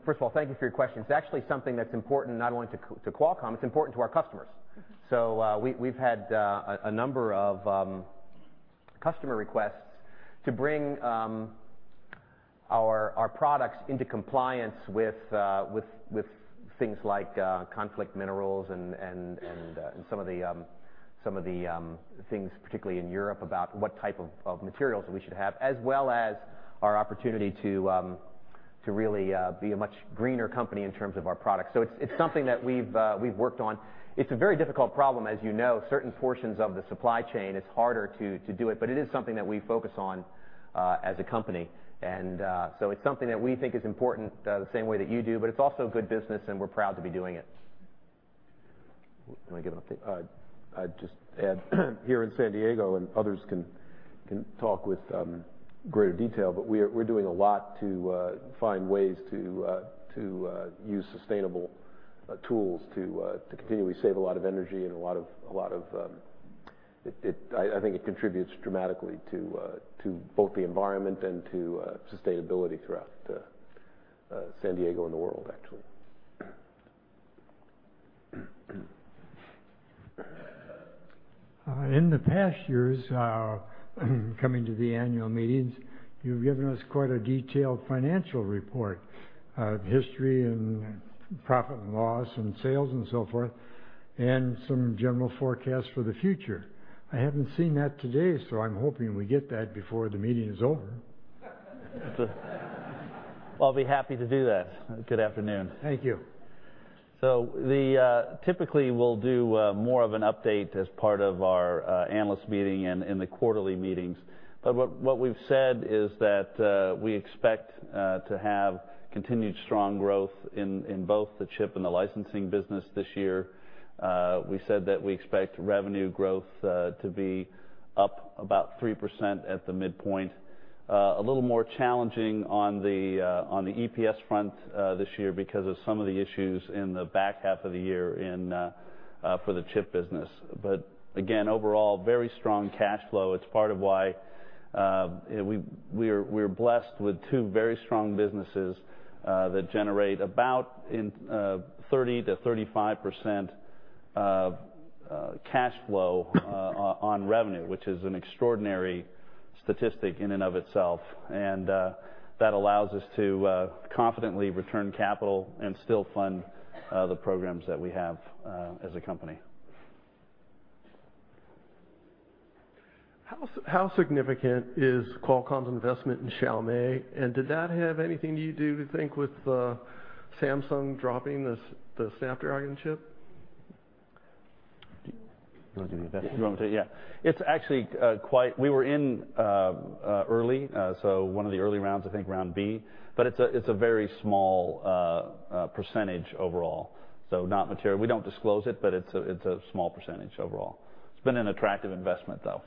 Speaker 5: First of all, thank you for your question. It's actually something that's important not only to Qualcomm, it's important to our customers. We've had a number of customer requests to bring our products into compliance with things like conflict minerals and some of the things, particularly in Europe, about what type of materials we should have, as well as our opportunity to really be a much greener company in terms of our products. It's something that we've worked on. It's a very difficult problem, as you know. Certain portions of the supply chain, it's harder to do it, but it is something that we focus on as a company. It's something that we think is important the same way that you do, but it's also good business, and we're proud to be doing it.
Speaker 1: You want me to give an update? I'd just add here in San Diego, and others can talk with greater detail, but we're doing a lot to find ways to use sustainable tools to continually save a lot of energy. I think it contributes dramatically to both the environment and to sustainability throughout San Diego and the world, actually.
Speaker 8: In the past years, coming to the annual meetings, you've given us quite a detailed financial report of history and profit and loss and sales and so forth, and some general forecasts for the future. I haven't seen that today, so I'm hoping we get that before the meeting is over.
Speaker 5: Well, I'll be happy to do that. Good afternoon.
Speaker 8: Thank you.
Speaker 5: Typically, we'll do more of an update as part of our analyst meeting and in the quarterly meetings. What we've said is that we expect to have continued strong growth in both the chip and the licensing business this year. We said that we expect revenue growth to be up about 3% at the midpoint. A little more challenging on the EPS front this year because of some of the issues in the back half of the year for the chip business. Again, overall, very strong cash flow. It's part of why we're blessed with two very strong businesses that generate about 30%-35% cash flow on revenue, which is an extraordinary statistic in and of itself. That allows us to confidently return capital and still fund the programs that we have as a company.
Speaker 9: How significant is Qualcomm's investment in Xiaomi? Did that have anything to do you think, with Samsung dropping the Snapdragon chip?
Speaker 5: Do you want to do that?
Speaker 1: Do you want me to? Yeah. We were in early so one of the early rounds, I think round B, but it's a very small percentage overall, so not material. We don't disclose it, but it's a small percentage overall. It's been an attractive investment, though.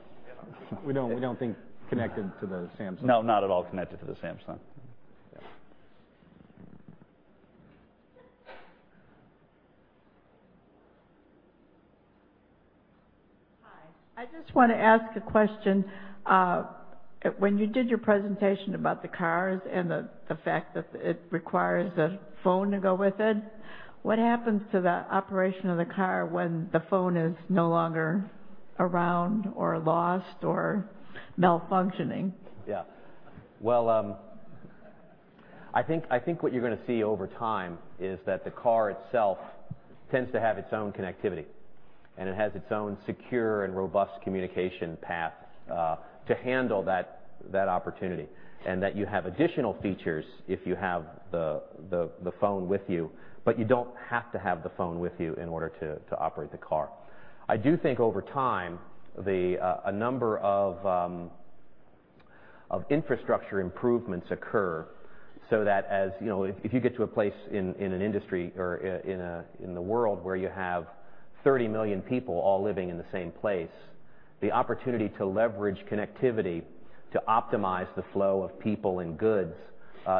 Speaker 5: We don't think connected to the Samsung.
Speaker 1: No, not at all connected to the Samsung. Yeah.
Speaker 10: Hi. I just want to ask a question. When you did your presentation about the cars and the fact that it requires a phone to go with it, what happens to the operation of the car when the phone is no longer around or lost or malfunctioning?
Speaker 5: Well, I think what you're going to see over time is that the car itself tends to have its own connectivity, and it has its own secure and robust communication path to handle that opportunity, and that you have additional features if you have the phone with you. You don't have to have the phone with you in order to operate the car. I do think over time, a number of infrastructure improvements occur so that as if you get to a place in an industry or in the world where you have 30 million people all living in the same place, the opportunity to leverage connectivity to optimize the flow of people and goods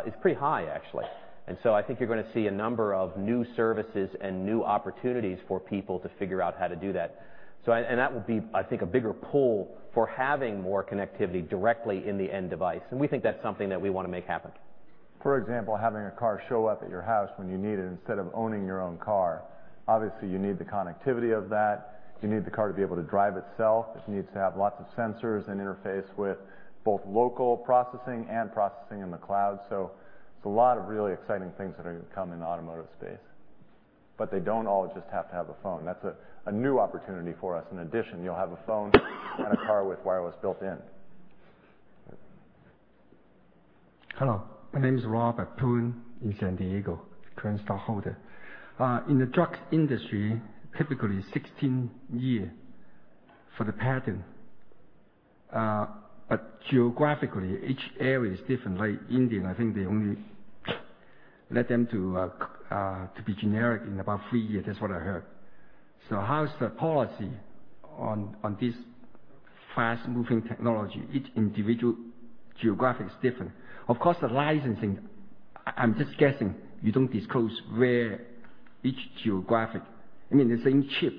Speaker 5: is pretty high, actually. I think you're going to see a number of new services and new opportunities for people to figure out how to do that. That would be, I think, a bigger pull for having more connectivity directly in the end device, and we think that's something that we want to make happen.
Speaker 1: For example, having a car show up at your house when you need it instead of owning your own car. Obviously, you need the connectivity of that. You need the car to be able to drive itself. It needs to have lots of sensors and interface with both local processing and processing in the cloud. It's a lot of really exciting things that are going to come in the automotive space. They don't all just have to have a phone. That's a new opportunity for us. In addition, you'll have a phone and a car with wireless built in.
Speaker 11: Hello. My name is Robert Poon in San Diego, current stockholder. In the truck industry, typically 16 year for the patent, but geographically each area is different. Like India, I think they only let them to be generic in about three years. That's what I heard. How is the policy on this fast-moving technology? Each individual geographic is different. Of course, the licensing, I'm just guessing you don't disclose where each geographic. The same chip,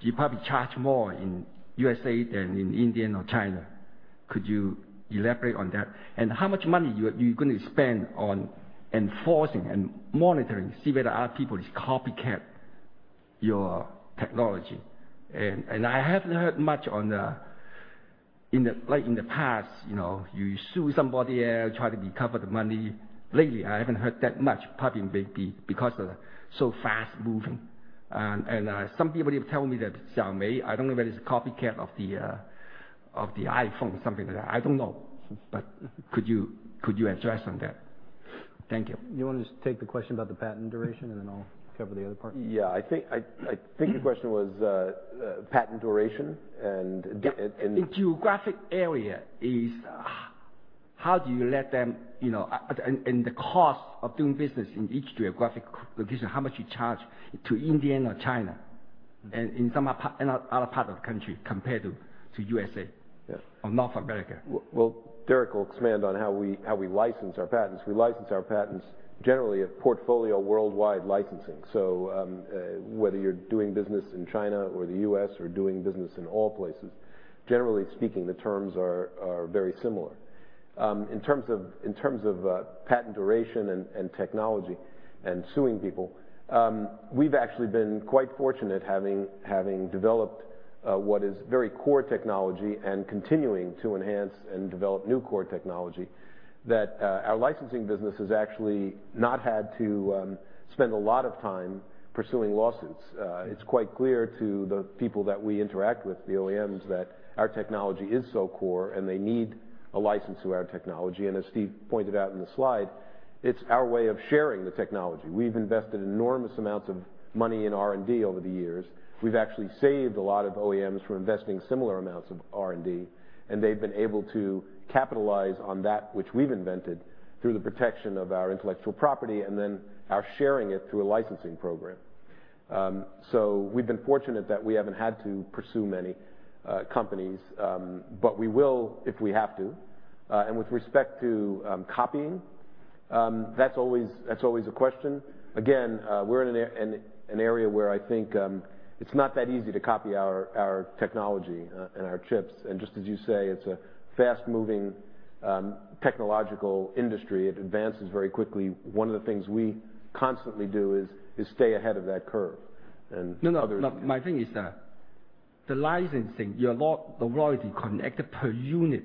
Speaker 11: you probably charge more in USA than in India or China. Could you elaborate on that? How much money you're going to spend on enforcing and monitoring to see whether other people is copycat your technology. I haven't heard much on the like in the past, you sue somebody else, try to recover the money. Lately, I haven't heard that much, probably because they're so fast-moving. Some people even tell me that Xiaomi, I don't know whether it's a copycat of the iPhone or something like that. I don't know. Could you address on that? Thank you.
Speaker 12: You want to just take the question about the patent duration, and then I'll cover the other part?
Speaker 3: Yeah, I think the question was patent duration.
Speaker 11: Yeah, the geographic area is, how do you let them, the cost of doing business in each geographic location, how much you charge to India or China and in other part of the country compared to U.S. or North America?
Speaker 3: Well, Derek will expand on how we license our patents. We license our patents generally at portfolio worldwide licensing. Whether you're doing business in China or the U.S. or doing business in all places, generally speaking, the terms are very similar. In terms of patent duration and technology and suing people, we've actually been quite fortunate having developed what is very core technology and continuing to enhance and develop new core technology, that our licensing business has actually not had to spend a lot of time pursuing lawsuits. It's quite clear to the people that we interact with, the OEMs, that our technology is so core and they need a license to our technology. As Steve pointed out in the slide, it's our way of sharing the technology. We've invested enormous amounts of money in R&D over the years. We've actually saved a lot of OEMs from investing similar amounts of R&D, and they've been able to capitalize on that which we've invented through the protection of our intellectual property and then our sharing it through a licensing program. We've been fortunate that we haven't had to pursue many companies, but we will if we have to. With respect to copying, that's always a question. Again, we're in an area where I think it's not that easy to copy our technology and our chips. Just as you say, it's a fast-moving technological industry. It advances very quickly. One of the things we constantly do is stay ahead of that curve and others-
Speaker 11: No, no. My thing is the licensing, the royalty connected per unit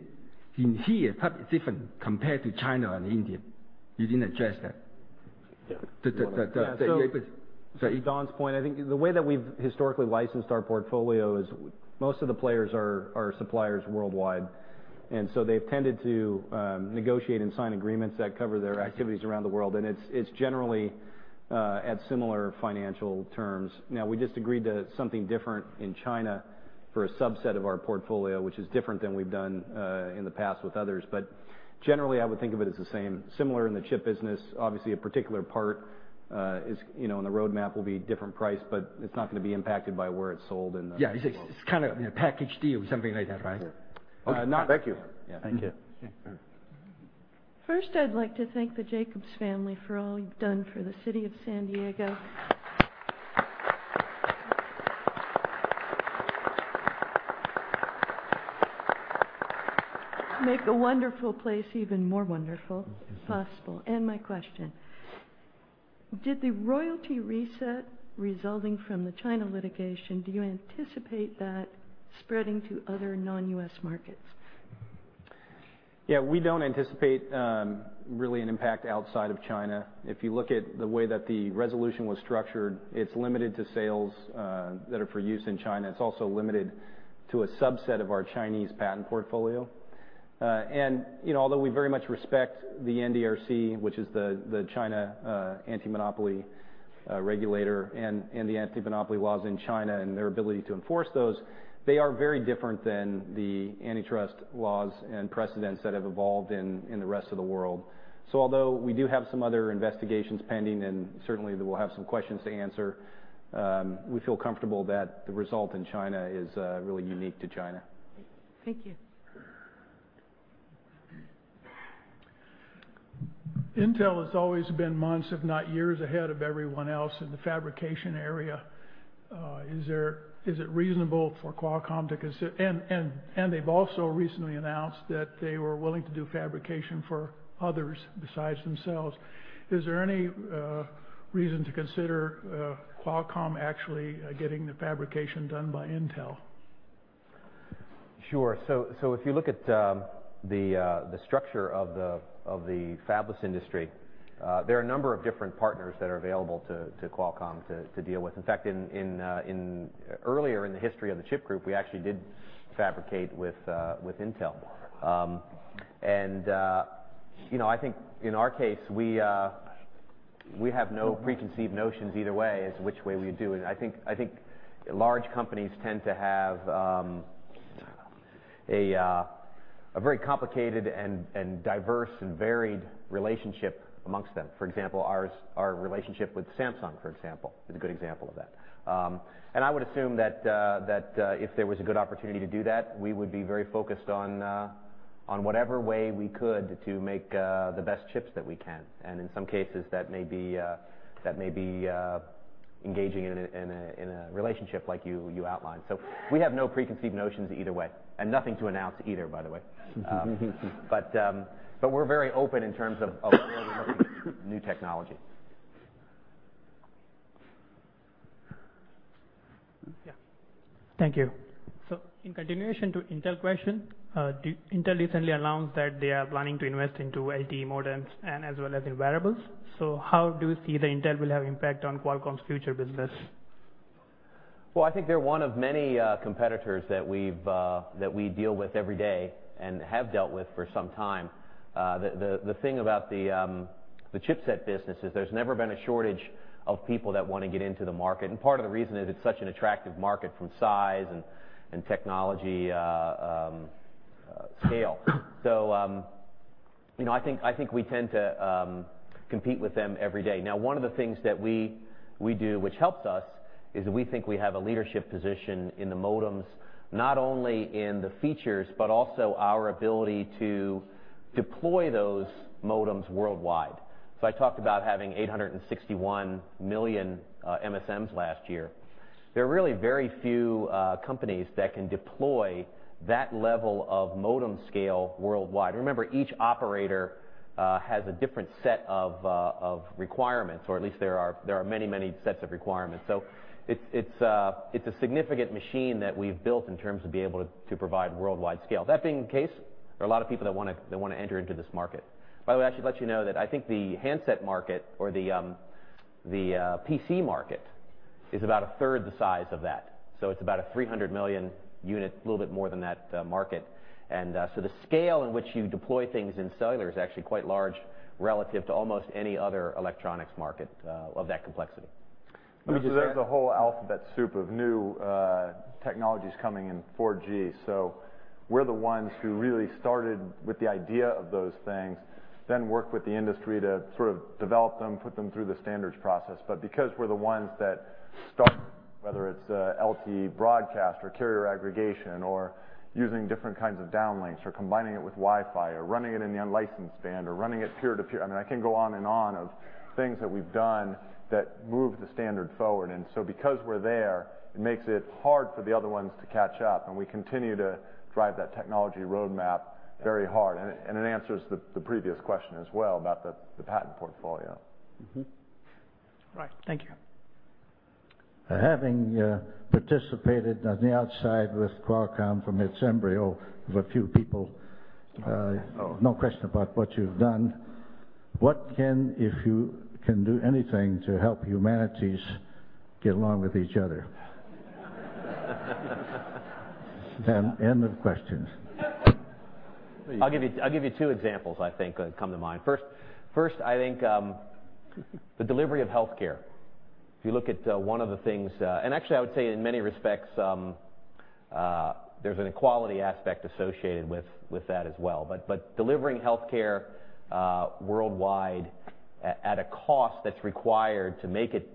Speaker 11: in here is probably different compared to China and India. You didn't address that.
Speaker 3: Yeah.
Speaker 12: Yeah, to Don's point, I think the way that we've historically licensed our portfolio is most of the players are suppliers worldwide, they've tended to negotiate and sign agreements that cover their activities around the world, it's generally at similar financial terms. We just agreed to something different in China for a subset of our portfolio, which is different than we've done in the past with others. Generally, I would think of it as the same. Similar in the chip business, obviously a particular part in the roadmap will be different price, it's not going to be impacted by where it's sold and-
Speaker 11: Yeah, it's kind of a package deal, something like that, right?
Speaker 3: Yeah.
Speaker 11: Thank you.
Speaker 3: Yeah.
Speaker 12: Thank you.
Speaker 13: First, I'd like to thank the Jacobs family for all you've done for the city of San Diego. Make a wonderful place even more wonderful possible. My question, did the royalty reset resulting from the China litigation, do you anticipate that spreading to other non-U.S. markets?
Speaker 12: Yeah, we don't anticipate really an impact outside of China. If you look at the way that the resolution was structured, it's limited to sales that are for use in China. It's also limited to a subset of our Chinese patent portfolio. Although we very much respect the NDRC, which is the China anti-monopoly regulator and the anti-monopoly laws in China and their ability to enforce those, they are very different than the antitrust laws and precedents that have evolved in the rest of the world. Although we do have some other investigations pending and certainly that we'll have some questions to answer, we feel comfortable that the result in China is really unique to China.
Speaker 13: Thank you.
Speaker 14: Intel has always been months, if not years, ahead of everyone else in the fabrication area. Is it reasonable for Qualcomm to consider? They've also recently announced that they were willing to do fabrication for others besides themselves. Is there any reason to consider Qualcomm actually getting the fabrication done by Intel?
Speaker 3: Sure. If you look at the structure of the fabless industry, there are a number of different partners that are available to Qualcomm to deal with. In fact, earlier in the history of the chip group, we actually did fabricate with Intel. I think in our case, we
Speaker 5: We have no preconceived notions either way as to which way we do it. I think large companies tend to have a very complicated and diverse and varied relationship amongst them. For example, our relationship with Samsung is a good example of that. I would assume that if there was a good opportunity to do that, we would be very focused on whatever way we could to make the best chips that we can. In some cases that may be engaging in a relationship like you outlined. We have no preconceived notions either way, and nothing to announce either, by the way. We're very open in terms of looking at new technology.
Speaker 15: Yeah. Thank you. In continuation to Intel question, Intel recently announced that they are planning to invest into LTE modems and as well as in wearables. How do you see that Intel will have impact on Qualcomm's future business?
Speaker 5: I think they're one of many competitors that we deal with every day and have dealt with for some time. The thing about the chipset business is there's never been a shortage of people that want to get into the market, part of the reason is it's such an attractive market from size and technology scale. I think we tend to compete with them every day. One of the things that we do, which helps us, is we think we have a leadership position in the modems, not only in the features, but also our ability to deploy those modems worldwide. I talked about having 861 million MSMs last year. There are really very few companies that can deploy that level of modem scale worldwide. Remember, each operator has a different set of requirements, or at least there are many sets of requirements. It's a significant machine that we've built in terms of being able to provide worldwide scale. That being the case, there are a lot of people that want to enter into this market. By the way, I should let you know that I think the handset market or the PC market is about a third the size of that. It's about a 300 million unit, a little bit more than that, market. The scale in which you deploy things in cellular is actually quite large relative to almost any other electronics market of that complexity.
Speaker 15: Understood.
Speaker 1: There's a whole alphabet soup of new technologies coming in 4G. We're the ones who really started with the idea of those things, then worked with the industry to sort of develop them, put them through the standards process. Because we're the ones that start, whether it's LTE Broadcast or carrier aggregation or using different kinds of downlinks or combining it with Wi-Fi or running it in the unlicensed band or running it peer-to-peer, I mean, I can go on and on of things that we've done that move the standard forward. Because we're there, it makes it hard for the other ones to catch up, and we continue to drive that technology roadmap very hard. It answers the previous question as well about the patent portfolio.
Speaker 15: All right. Thank you.
Speaker 16: Having participated on the outside with Qualcomm from its embryo of a few people, no question about what you've done. If you can do anything to help humanity get along with each other? End of questions.
Speaker 5: I'll give you two examples I think that come to mind. First, I think the delivery of healthcare. If you look at one of the things, and actually, I would say in many respects, there's an equality aspect associated with that as well. Delivering healthcare worldwide at a cost that's required to make it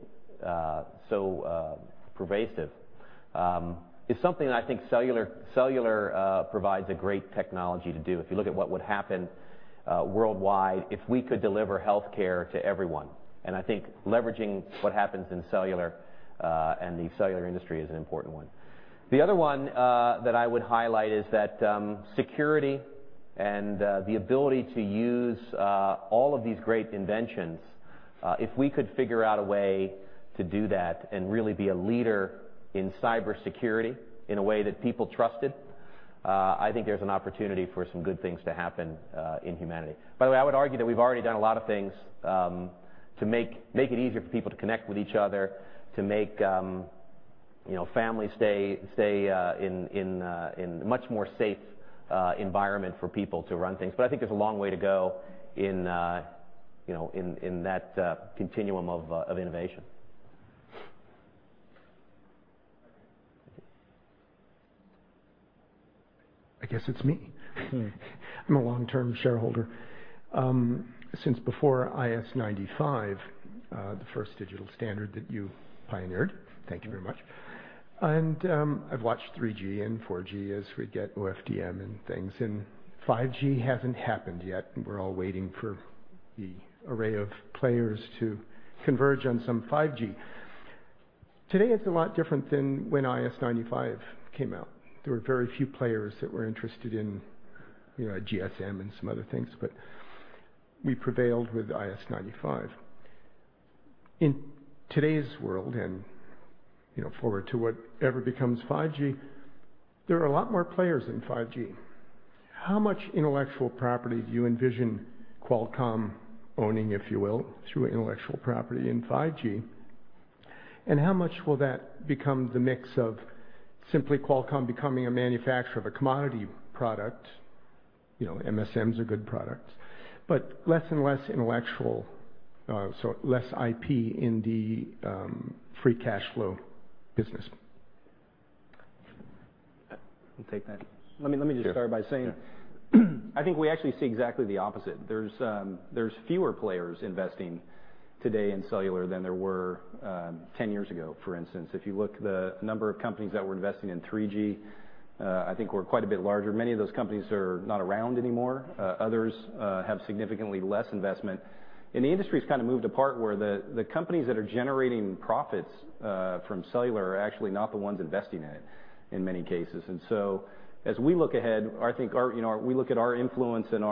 Speaker 5: so pervasive is something that I think cellular provides a great technology to do. If you look at what would happen worldwide, if we could deliver healthcare to everyone, I think leveraging what happens in cellular and the cellular industry is an important one. The other one that I would highlight is that security and the ability to use all of these great inventions, if we could figure out a way to do that and really be a leader in cybersecurity in a way that people trusted, I think there's an opportunity for some good things to happen in humanity. By the way, I would argue that we've already done a lot of things to make it easier for people to connect with each other, to make families stay in a much more safe environment for people to run things. I think there's a long way to go in that continuum of innovation.
Speaker 17: I guess it's me. I'm a long-term shareholder. Since before IS-95, the first digital standard that you pioneered, thank you very much. I've watched 3G and 4G as we get OFDM and things, and 5G hasn't happened yet. We're all waiting for the array of players to converge on some 5G. Today it's a lot different than when IS-95 came out. There were very few players that were interested in GSM and some other things, but we prevailed with IS-95. In today's world and forward to whatever becomes 5G, there are a lot more players in 5G. How much intellectual property do you envision Qualcomm owning, if you will, through intellectual property in 5G? How much will that become the mix of simply Qualcomm becoming a manufacturer of a commodity product? MSMs are good products, but less and less intellectual, so less IP in the free cash flow business.
Speaker 12: I'll take that.
Speaker 5: Sure.
Speaker 12: Let me just start by saying, I think we actually see exactly the opposite. There's fewer players investing today in cellular than there were 10 years ago, for instance. If you look at the number of companies that we're investing in 3G, I think we're quite a bit larger. Many of those companies are not around anymore. Others have significantly less investment. The industry's kind of moved apart, where the companies that are generating profits from cellular are actually not the ones investing in it in many cases. As we look ahead, we look at our influence and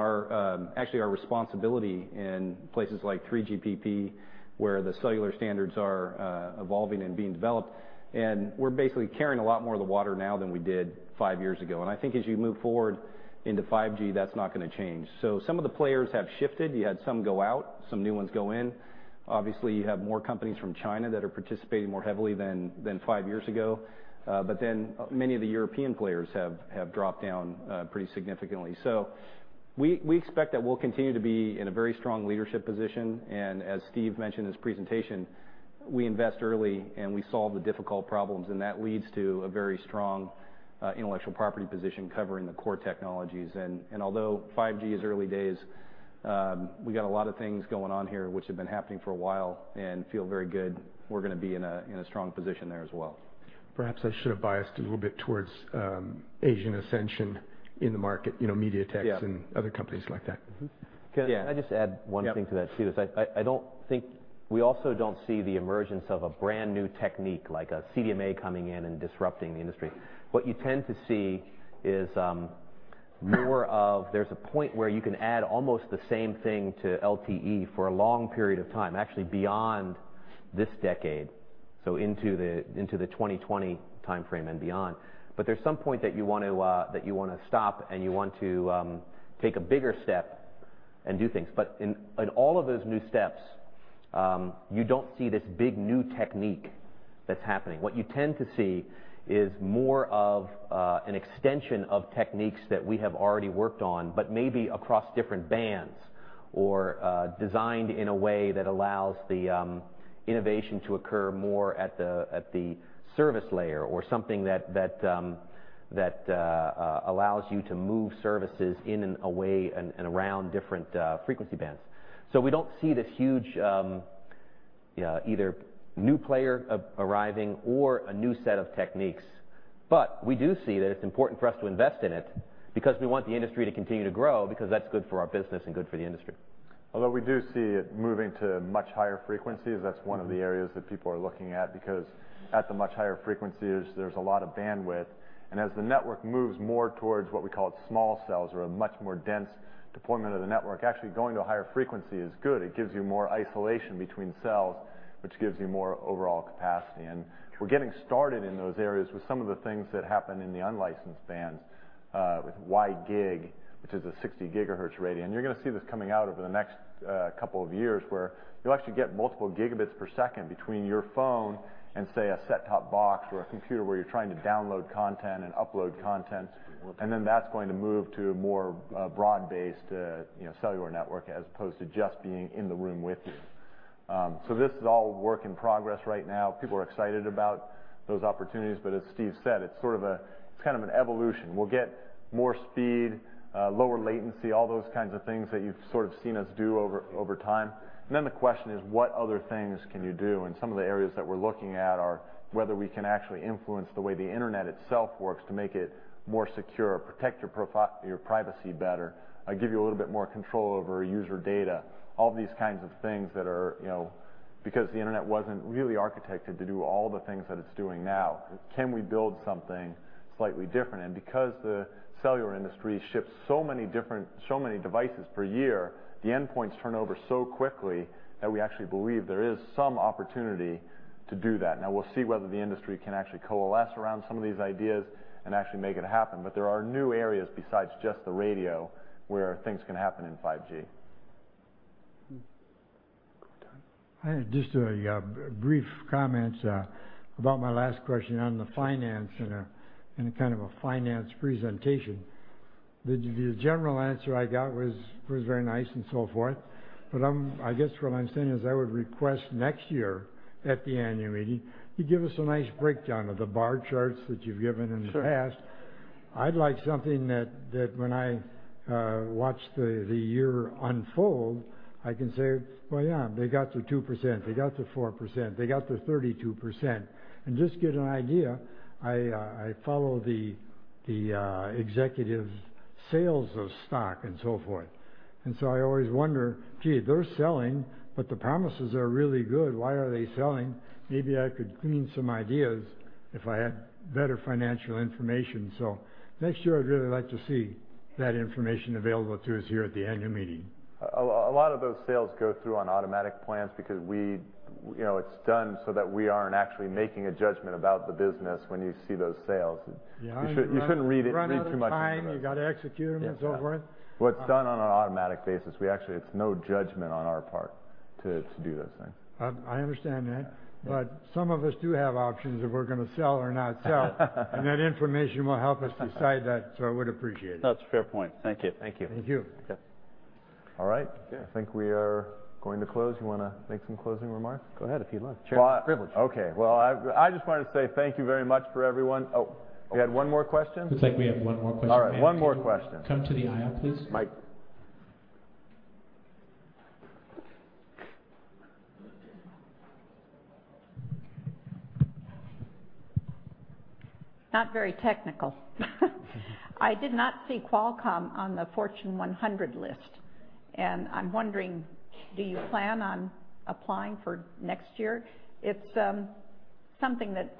Speaker 12: actually our responsibility in places like 3GPP, where the cellular standards are evolving and being developed. We're basically carrying a lot more of the water now than we did five years ago. I think as you move forward into 5G, that's not going to change. Some of the players have shifted. You had some go out, some new ones go in. Obviously, you have more companies from China that are participating more heavily than five years ago. Many of the European players have dropped down pretty significantly. We expect that we'll continue to be in a very strong leadership position, and as Steve mentioned in his presentation, we invest early and we solve the difficult problems, and that leads to a very strong intellectual property position covering the core technologies. Although 5G is early days, we got a lot of things going on here which have been happening for a while and feel very good. We're going to be in a strong position there as well.
Speaker 17: Perhaps I should have biased a little bit towards Asian ascension in the market, MediaTek-
Speaker 12: Yeah
Speaker 17: Other companies like that.
Speaker 5: Can I just add one thing to that, too?
Speaker 12: Yeah.
Speaker 5: I don't think we also don't see the emergence of a brand-new technique, like a CDMA coming in and disrupting the industry. What you tend to see is more of, there's a point where you can add almost the same thing to LTE for a long period of time, actually beyond this decade, so into the 2020 timeframe and beyond. There's some point that you want to stop, and you want to take a bigger step and do things. In all of those new steps, you don't see this big new technique that's happening. What you tend to see is more of an extension of techniques that we have already worked on, but maybe across different bands or designed in a way that allows the innovation to occur more at the service layer, or something that allows you to move services in and away and around different frequency bands. We don't see this huge either new player arriving or a new set of techniques. We do see that it's important for us to invest in it because we want the industry to continue to grow because that's good for our business and good for the industry.
Speaker 12: Although we do see it moving to much higher frequencies. That's one of the areas that people are looking at because at the much higher frequencies, there's a lot of bandwidth. As the network moves more towards what we call small cells or a much more dense deployment of the network, actually going to a higher frequency is good. It gives you more isolation between cells, which gives you more overall capacity. We're getting started in those areas with some of the things that happen in the unlicensed bands with WiGig, which is a 60 gigahertz radio. You're going to see this coming out over the next couple of years, where you'll actually get multiple gigabits per second between your phone and, say, a set-top box or a computer where you're trying to download content and upload content. That's going to move to a more broad-based cellular network, as opposed to just being in the room with you. This is all work in progress right now. People are excited about those opportunities. As Steve said, it's kind of an evolution. We'll get more speed, lower latency, all those kinds of things that you've sort of seen us do over time. The question is, what other things can you do? Some of the areas that we're looking at are whether we can actually influence the way the internet itself works to make it more secure, protect your privacy better, give you a little bit more control over user data, all these kinds of things that are because the internet wasn't really architected to do all the things that it's doing now. Can we build something slightly different? Because the cellular industry ships so many devices per year, the endpoints turn over so quickly that we actually believe there is some opportunity to do that. Now, we'll see whether the industry can actually coalesce around some of these ideas and actually make it happen. There are new areas besides just the radio where things can happen in 5G.
Speaker 2: (audio distortion)
Speaker 18: Just a brief comment about my last question on the finance and kind of a finance presentation. The general answer I got was very nice and so forth, I guess what I'm saying is I would request next year at the annual meeting, you give us a nice breakdown of the bar charts that you've given in the past.
Speaker 12: Sure.
Speaker 18: I'd like something that when I watch the year unfold, I can say, "Well, yeah, they got to 2%, they got to 4%, they got to 32%," and just get an idea. I follow the executive sales of stock and so forth, I always wonder, "Gee, they're selling, but the promises are really good. Why are they selling?" Maybe I could glean some ideas if I had better financial information. Next year, I'd really like to see that information available to us here at the annual meeting.
Speaker 12: A lot of those sales go through on automatic plans because it's done so that we aren't actually making a judgment about the business when you see those sales.
Speaker 18: Yeah.
Speaker 12: You shouldn't read it too much into those.
Speaker 18: Run out of time, you got to execute them and so forth.
Speaker 12: Yeah. it's done on an automatic basis. It's no judgment on our part to do those things.
Speaker 18: I understand that.
Speaker 12: Yeah.
Speaker 18: Some of us do have options if we're going to sell or not sell. That information will help us decide that, I would appreciate it.
Speaker 12: That's a fair point. Thank you.
Speaker 18: Thank you.
Speaker 1: All right.
Speaker 5: Yeah.
Speaker 1: I think we are going to close. You want to make some closing remarks?
Speaker 5: Go ahead, if you'd like.
Speaker 1: Well-
Speaker 5: It's your privilege.
Speaker 1: Okay. Well, I just wanted to say thank you very much for everyone. Oh, we had one more question?
Speaker 3: Looks like we have one more question, ma'am.
Speaker 1: All right, one more question.
Speaker 3: Can you come to the aisle, please?
Speaker 1: Mic.
Speaker 19: Not very technical. I did not see Qualcomm on the Fortune 100 list. I'm wondering, do you plan on applying for next year? It's something that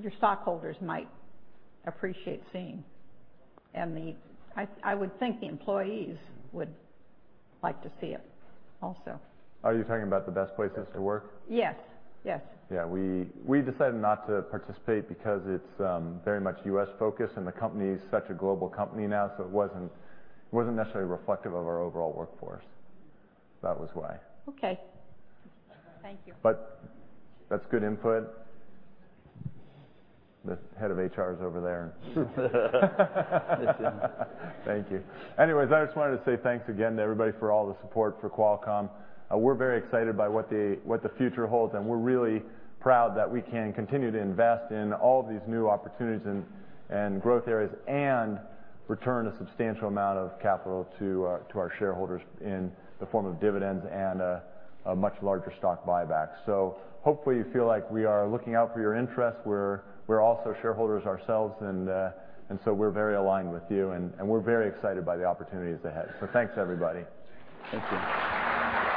Speaker 19: your stockholders might appreciate seeing. I would think the employees would like to see it also.
Speaker 1: Are you talking about the best places to work?
Speaker 19: Yes.
Speaker 1: Yeah. We decided not to participate because it's very much U.S.-focused. The company is such a global company now. It wasn't necessarily reflective of our overall workforce. That was why.
Speaker 19: Okay. Thank you.
Speaker 1: That's good input. The head of HR is over there. Thank you. Anyways, I just wanted to say thanks again to everybody for all the support for Qualcomm. We're very excited by what the future holds, and we're really proud that we can continue to invest in all of these new opportunities and growth areas and return a substantial amount of capital to our shareholders in the form of dividends and a much larger stock buyback. Hopefully you feel like we are looking out for your interests. We're also shareholders ourselves, and we're very aligned with you, and we're very excited by the opportunities ahead. Thanks, everybody.
Speaker 5: Thank you.